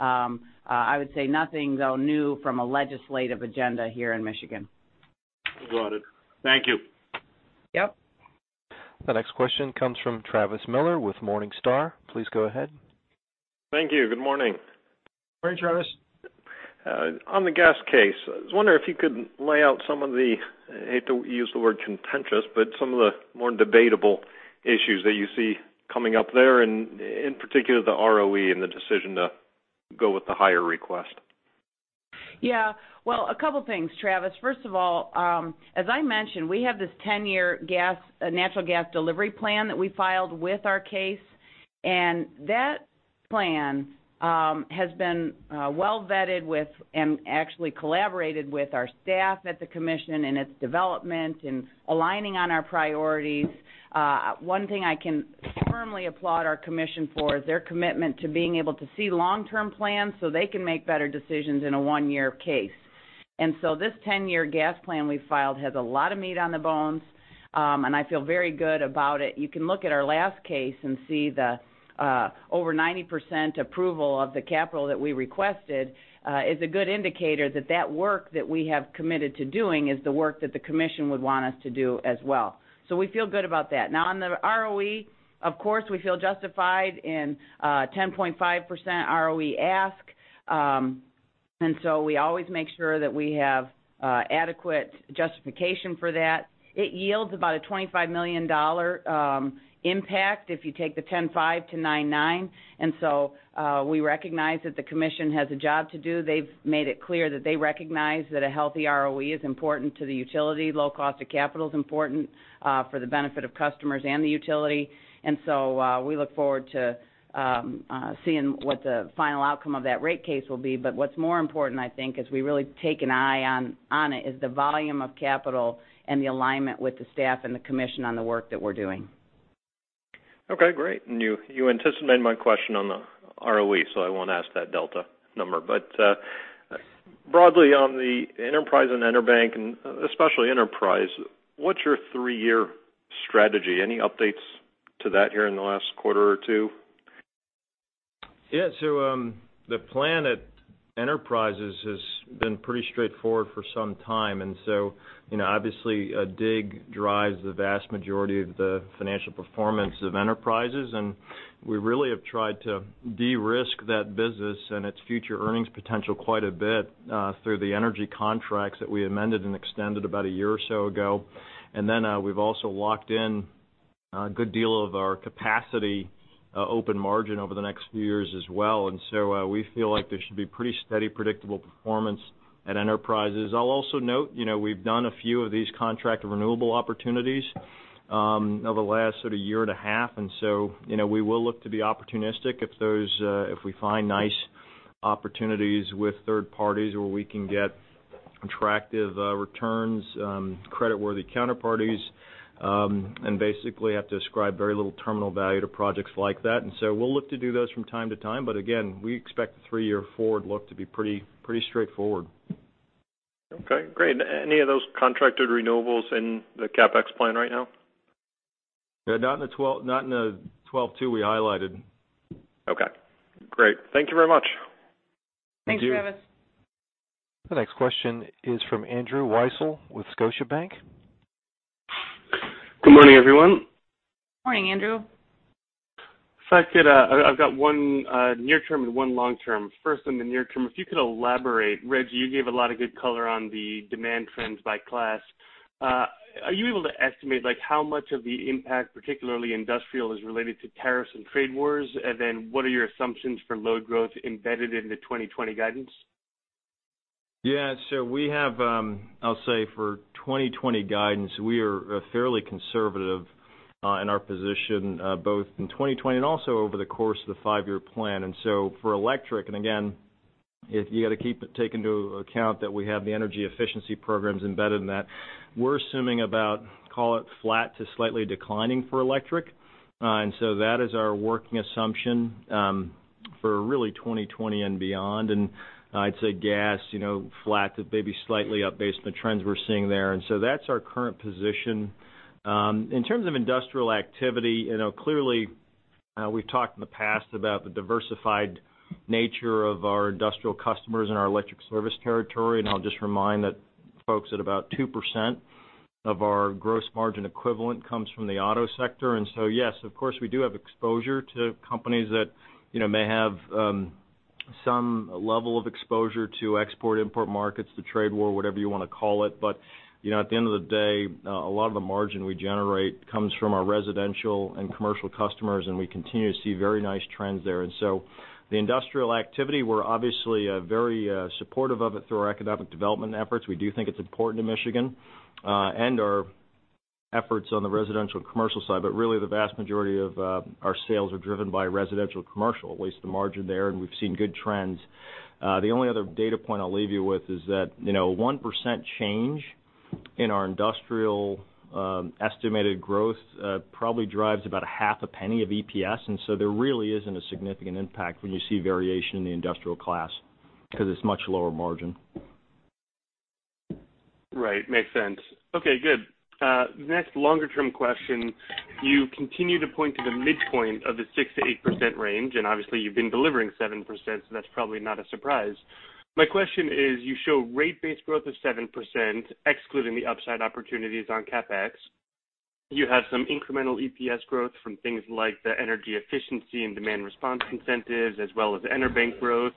I would say nothing though new from a legislative agenda here in Michigan. Got it. Thank you. Yep. The next question comes from Travis Miller with Morningstar. Please go ahead. Thank you. Good morning. Morning, Travis. On the gas case, I was wondering if you could lay out some of the, I hate to use the word contentious, but some of the more debatable issues that you see coming up there, and in particular, the ROE and the decision to go with the higher request. A couple things, Travis. First of all, as I mentioned, we have this 10-year Natural Gas Delivery Plan that we filed with our case. That plan has been well-vetted with and actually collaborated with our staff at the commission in its development and aligning on our priorities. One thing I can firmly applaud our commission for is their commitment to being able to see long-term plans so they can make better decisions in a one-year case. This 10-year gas plan we filed has a lot of meat on the bones. I feel very good about it. You can look at our last case and see the over 90% approval of the capital that we requested is a good indicator that that work that we have committed to doing is the work that the commission would want us to do as well. We feel good about that. Now on the ROE, of course, we feel justified in a 10.5% ROE ask. We always make sure that we have adequate justification for that. It yields about a $25 million impact if you take the 10.5 to 9.9. We recognize that the commission has a job to do. They've made it clear that they recognize that a healthy ROE is important to the utility. Low cost of capital is important for the benefit of customers and the utility. We look forward to seeing what the final outcome of that rate case will be. What's more important, I think, as we really take an eye on it, is the volume of capital and the alignment with the staff and the commission on the work that we're doing. Okay, great. You anticipated my question on the ROE, so I won't ask that delta number. Broadly on the Enterprise and EnerBank, and especially Enterprise, what's your three-year strategy? Any updates to that here in the last quarter or two? Yeah. The plan at Enterprises has been pretty straightforward for some time. Obviously, DIG drives the vast majority of the financial performance of enterprises. We really have tried to de-risk that business and its future earnings potential quite a bit, through the energy contracts that we amended and extended about a year or so ago. We've also locked in a good deal of our capacity open margin over the next few years as well. We feel like there should be pretty steady, predictable performance at enterprises. I'll also note, we've done a few of these contracted renewable opportunities, over the last sort of year and a half. We will look to be opportunistic if we find nice opportunities with third parties where we can get attractive returns, credit-worthy counterparties, and basically have to ascribe very little terminal value to projects like that. We will look to do those from time to time, but again, we expect the three-year forward look to be pretty straightforward. Okay, great. Any of those contracted renewables in the CapEx plan right now? Yeah, not in the 12-2 we highlighted. Okay, great. Thank you very much. Thank you. Thanks, Travis. The next question is from Andrew Weisel with Scotiabank. Good morning, everyone. Morning, Andrew. If I could, I've got one near term and one long term. First, on the near term, if you could elaborate. Reggie, you gave a lot of good color on the demand trends by class. Are you able to estimate how much of the impact, particularly industrial, is related to tariffs and trade wars? What are your assumptions for load growth embedded in the 2020 guidance? Yeah. We have, I'll say for 2020 guidance, we are fairly conservative in our position, both in 2020 and also over the course of the five-year plan. For electric, and again, you've got to take into account that we have the energy efficiency programs embedded in that. We're assuming about, call it flat to slightly declining for electric. I'd say gas, flat to maybe slightly up based on the trends we're seeing there. That's our current position. In terms of industrial activity, clearly, we've talked in the past about the diversified nature of our industrial customers and our electric service territory. I'll just remind that folks, at about 2% of our gross margin equivalent comes from the auto sector. Yes, of course, we do have exposure to companies that may have some level of exposure to export-import markets, the trade war, whatever you want to call it. At the end of the day, a lot of the margin we generate comes from our residential and commercial customers, and we continue to see very nice trends there. The industrial activity, we're obviously very supportive of it through our economic development efforts. We do think it's important to Michigan, and our efforts on the residential and commercial side, but really the vast majority of our sales are driven by residential and commercial. At least the margin there, and we've seen good trends. The only other data point I'll leave you with is that 1% change in our industrial estimated growth, probably drives about a half a penny of EPS. There really isn't a significant impact when you see variation in the industrial class because it's much lower margin. Right. Makes sense. Okay, good. Next, longer-term question. You continue to point to the midpoint of the 6%-8% range. Obviously, you've been delivering 7%, so that's probably not a surprise. My question is: you show rate-based growth of 7%, excluding the upside opportunities on CapEx. You have some incremental EPS growth from things like the energy efficiency and demand response incentives, as well as EnerBank growth.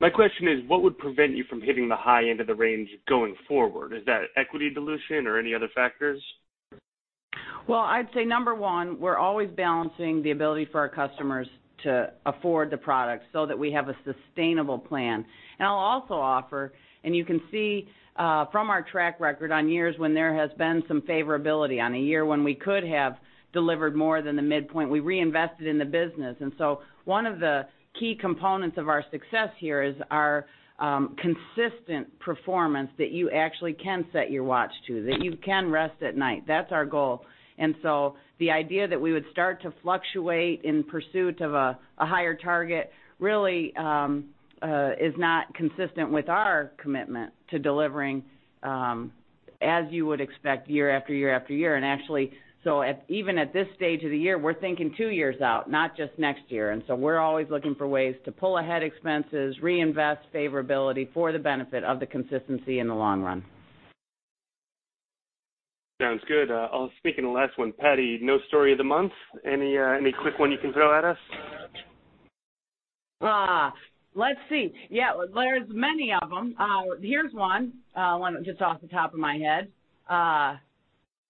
My question is, what would prevent you from hitting the high end of the range going forward? Is that equity dilution or any other factors? Well, I'd say number one, we're always balancing the ability for our customers to afford the product so that we have a sustainable plan. I'll also offer, and you can see from our track record on years when there has been some favorability. On a year when we could have delivered more than the midpoint, we reinvested in the business. One of the key components of our success here is our consistent performance that you actually can set your watch to, that you can rest at night. That's our goal. The idea that we would start to fluctuate in pursuit of a higher target really is not consistent with our commitment to delivering as you would expect year after year after year. Actually, even at this stage of the year, we're thinking two years out, not just next year. We're always looking for ways to pull ahead expenses, reinvest favorability for the benefit of the consistency in the long run. Sounds good. I'll speak on the last one. Patti, no story of the month? Any quick one you can throw at us? Let's see. Yeah. There's many of them. Here's one just off the top of my head.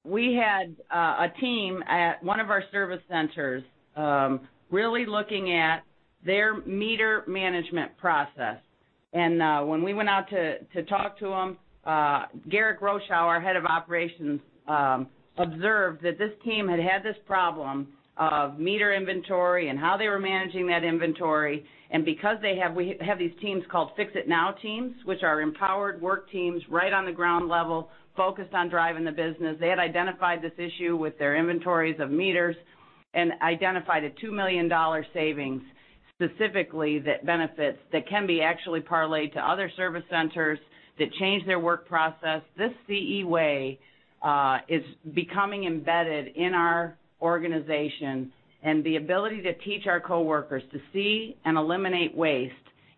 We had a team at one of our service centers, really looking at their meter management process. When we went out to talk to them, Garrick Rochow, our head of operations, observed that this team had this problem of meter inventory and how they were managing that inventory. Because we have these teams called Fix It Now teams, which are empowered work teams right on the ground level focused on driving the business. They had identified this issue with their inventories of meters and identified a $2 million savings, specifically, that benefits that can be actually parlayed to other service centers that change their work process. This CE Way is becoming embedded in our organization, the ability to teach our coworkers to see and eliminate waste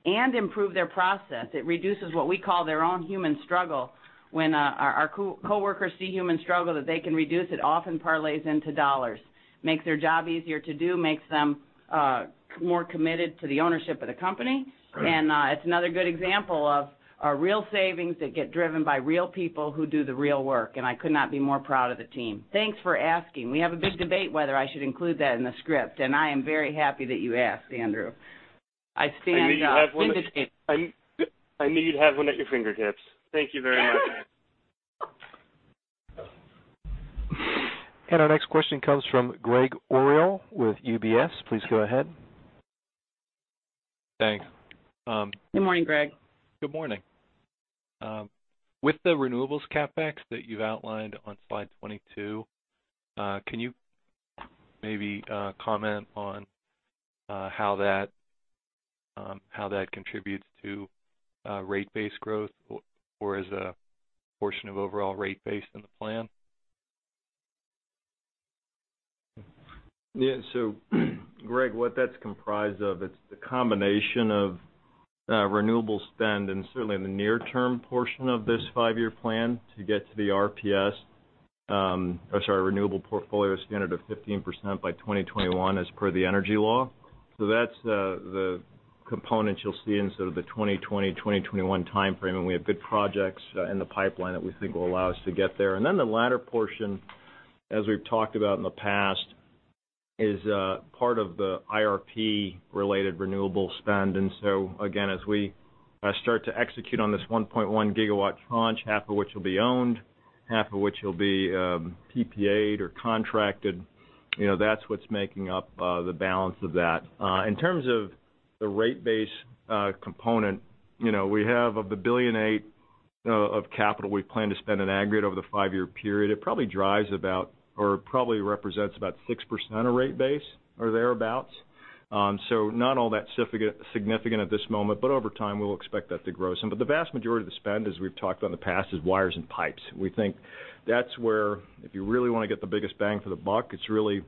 and improve their process. It reduces what we call their own human struggle. When our coworkers see human struggle that they can reduce, it often parlays into dollars, makes their job easier to do, makes them more committed to the ownership of the company. Right. It's another good example of our real savings that get driven by real people who do the real work, and I could not be more proud of the team. Thanks for asking. We have a big debate whether I should include that in the script, and I am very happy that you asked, Andrew. I knew you'd have one at your fingertips. Thank you very much, Patti. Our next question comes from Gregg Orrill with UBS. Please go ahead. Thanks. Good morning, Greg. Good morning. With the renewables CapEx that you've outlined on slide 22, can you maybe comment on how that contributes to rate base growth or as a portion of overall rate base in the plan? Yeah. Gregg, what that's comprised of, it's the combination of renewable spend, and certainly in the near term portion of this five-year plan to get to the RPS, or, sorry, Renewable Portfolio Standard of 15% by 2021 as per the energy law. That's the component you'll see in sort of the 2020, 2021 timeframe, and we have good projects in the pipeline that we think will allow us to get there. Then the latter portion, as we've talked about in the past, is part of the IRP related renewable spend. Again, as we start to execute on this 1.1 GW launch, half of which will be owned, half of which will be PPA or contracted, that's what's making up the balance of that. In terms of the rate base component, we have of the $1.8 billion of capital we plan to spend at Anagrid over the five-year period, it probably drives about or probably represents about 6% of rate base or thereabout. Not all that significant at this moment, but over time, we'll expect that to grow some. The vast majority of the spend, as we've talked about in the past, is wires and pipes. We think that's where, if you really want to get the biggest bang for the buck, it's really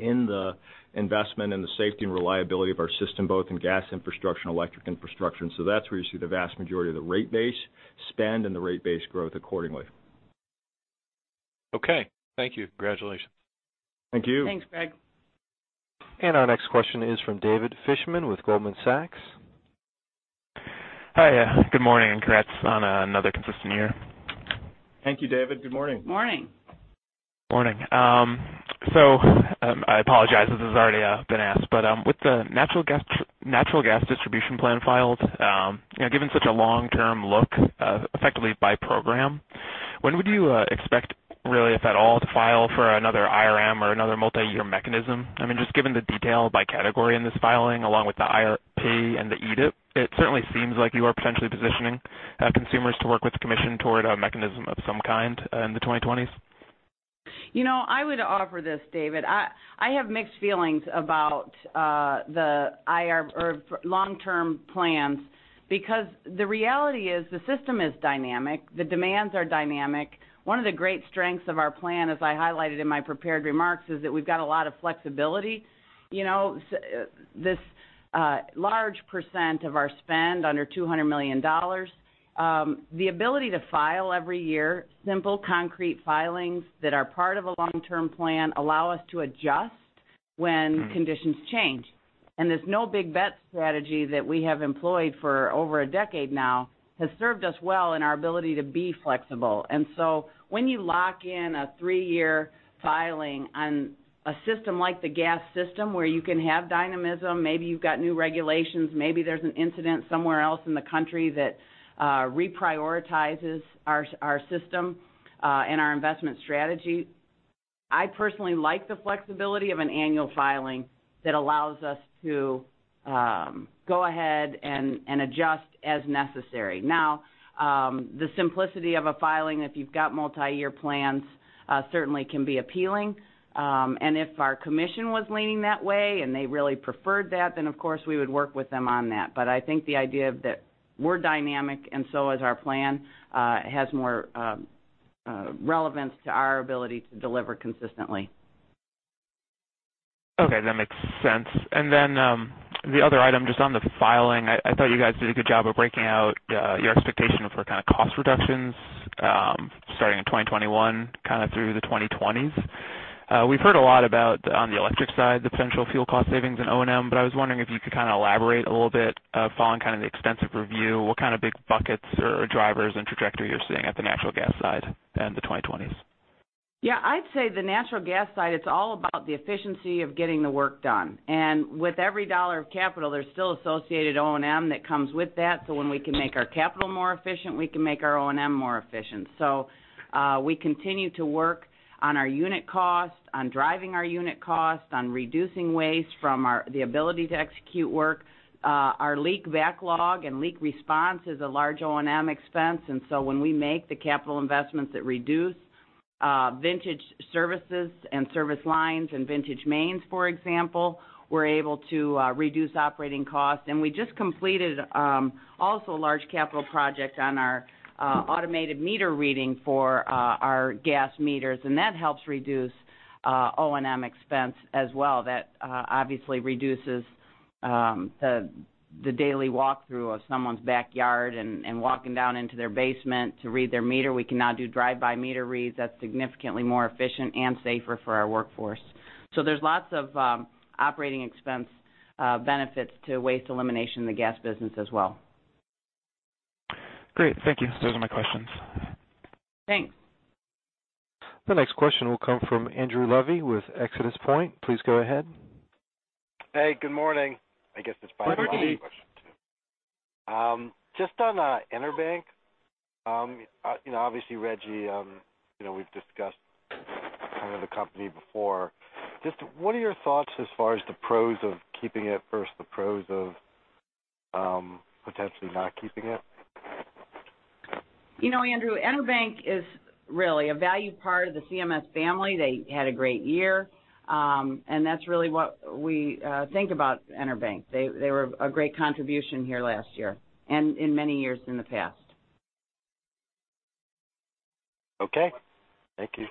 in the investment in the safety and reliability of our system, both in gas infrastructure and electric infrastructure. That's where you see the vast majority of the rate base spend and the rate base growth accordingly. Okay. Thank you. Congratulations. Thank you. Thanks, Gregg. Our next question is from David Fishman with Goldman Sachs. Hi, good morning, and congrats on another consistent year. Thank you, David. Good morning. Morning. Morning. I apologize if this has already been asked, but with the Natural Gas Delivery Plan filed, given such a long-term look effectively by program, when would you expect, really if at all, to file for another IRM or another multi-year mechanism? Just given the detail by category in this filing, along with the IRP and the EDIP, it certainly seems like you are potentially positioning Consumers to work with the Commission toward a mechanism of some kind in the 2020s. I would offer this, David. I have mixed feelings about the long-term plans because the reality is the system is dynamic, the demands are dynamic. One of the great strengths of our plan, as I highlighted in my prepared remarks, is that we've got a lot of flexibility. This large percent of our spend, under $200 million, the ability to file every year simple, concrete filings that are part of a long-term plan allow us to adjust when conditions change. This no big bet strategy that we have employed for over a decade now has served us well in our ability to be flexible. When you lock in a three-year filing on a system like the gas system where you can have dynamism, maybe you've got new regulations, maybe there's an incident somewhere else in the country that reprioritizes our system and our investment strategy, I personally like the flexibility of an annual filing that allows us to go ahead and adjust as necessary. Now, the simplicity of a filing, if you've got multi-year plans, certainly can be appealing. If our commission was leaning that way and they really preferred that, then of course, we would work with them on that. I think the idea that we're dynamic and so is our plan, has more relevance to our ability to deliver consistently. Okay, that makes sense. The other item, just on the filing, I thought you guys did a good job of breaking out your expectation for kind of cost reductions starting in 2021 kind of through the 2020s. We've heard a lot about on the electric side, the potential fuel cost savings in O&M. I was wondering if you could kind of elaborate a little bit following kind of the extensive review, what kind of big buckets or drivers and trajectory you're seeing at the natural gas side in the 2020s. Yeah, I'd say the natural gas side, it's all about the efficiency of getting the work done. With every dollar of capital, there's still associated O&M that comes with that. When we can make our capital more efficient, we can make our O&M more efficient. We continue to work on our unit cost, on driving our unit cost, on reducing waste from the ability to execute work. Our leak backlog and leak response is a large O&M expense, when we make the capital investments that reduce vintage services and service lines and vintage mains, for example, we're able to reduce operating costs. We just completed also a large capital project on our automated meter reading for our gas meters, and that helps reduce O&M expense as well. That obviously reduces the daily walkthrough of someone's backyard and walking down into their basement to read their meter. We can now do drive-by meter reads. That's significantly more efficient and safer for our workforce. There's lots of operating expense benefits to waste elimination in the gas business as well. Great. Thank you. Those are my questions. Thanks. The next question will come from Andrew Levi with ExodusPoint. Please go ahead. Hey, good morning. I guess it's finally evening where I am too. Just on EnerBank, obviously Rejji, we've discussed kind of the company before. Just what are your thoughts as far as the pros of keeping it versus the pros of potentially not keeping it? Andrew, EnerBank is really a valued part of the CMS family. They had a great year. That's really what we think about EnerBank. They were a great contribution here last year and in many years in the past. Okay. Thank you.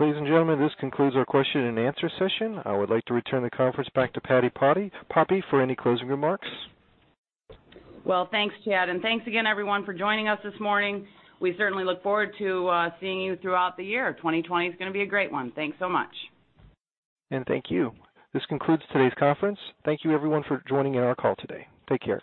Ladies and gentlemen, this concludes our question-and-answer session. I would like to return the conference back to Patti Poppe for any closing remarks. Well, thanks, Chad, and thanks again everyone for joining us this morning. We certainly look forward to seeing you throughout the year. 2020 is going to be a great one. Thanks so much. Thank you. This concludes today's conference. Thank you everyone for joining in our call today. Take care.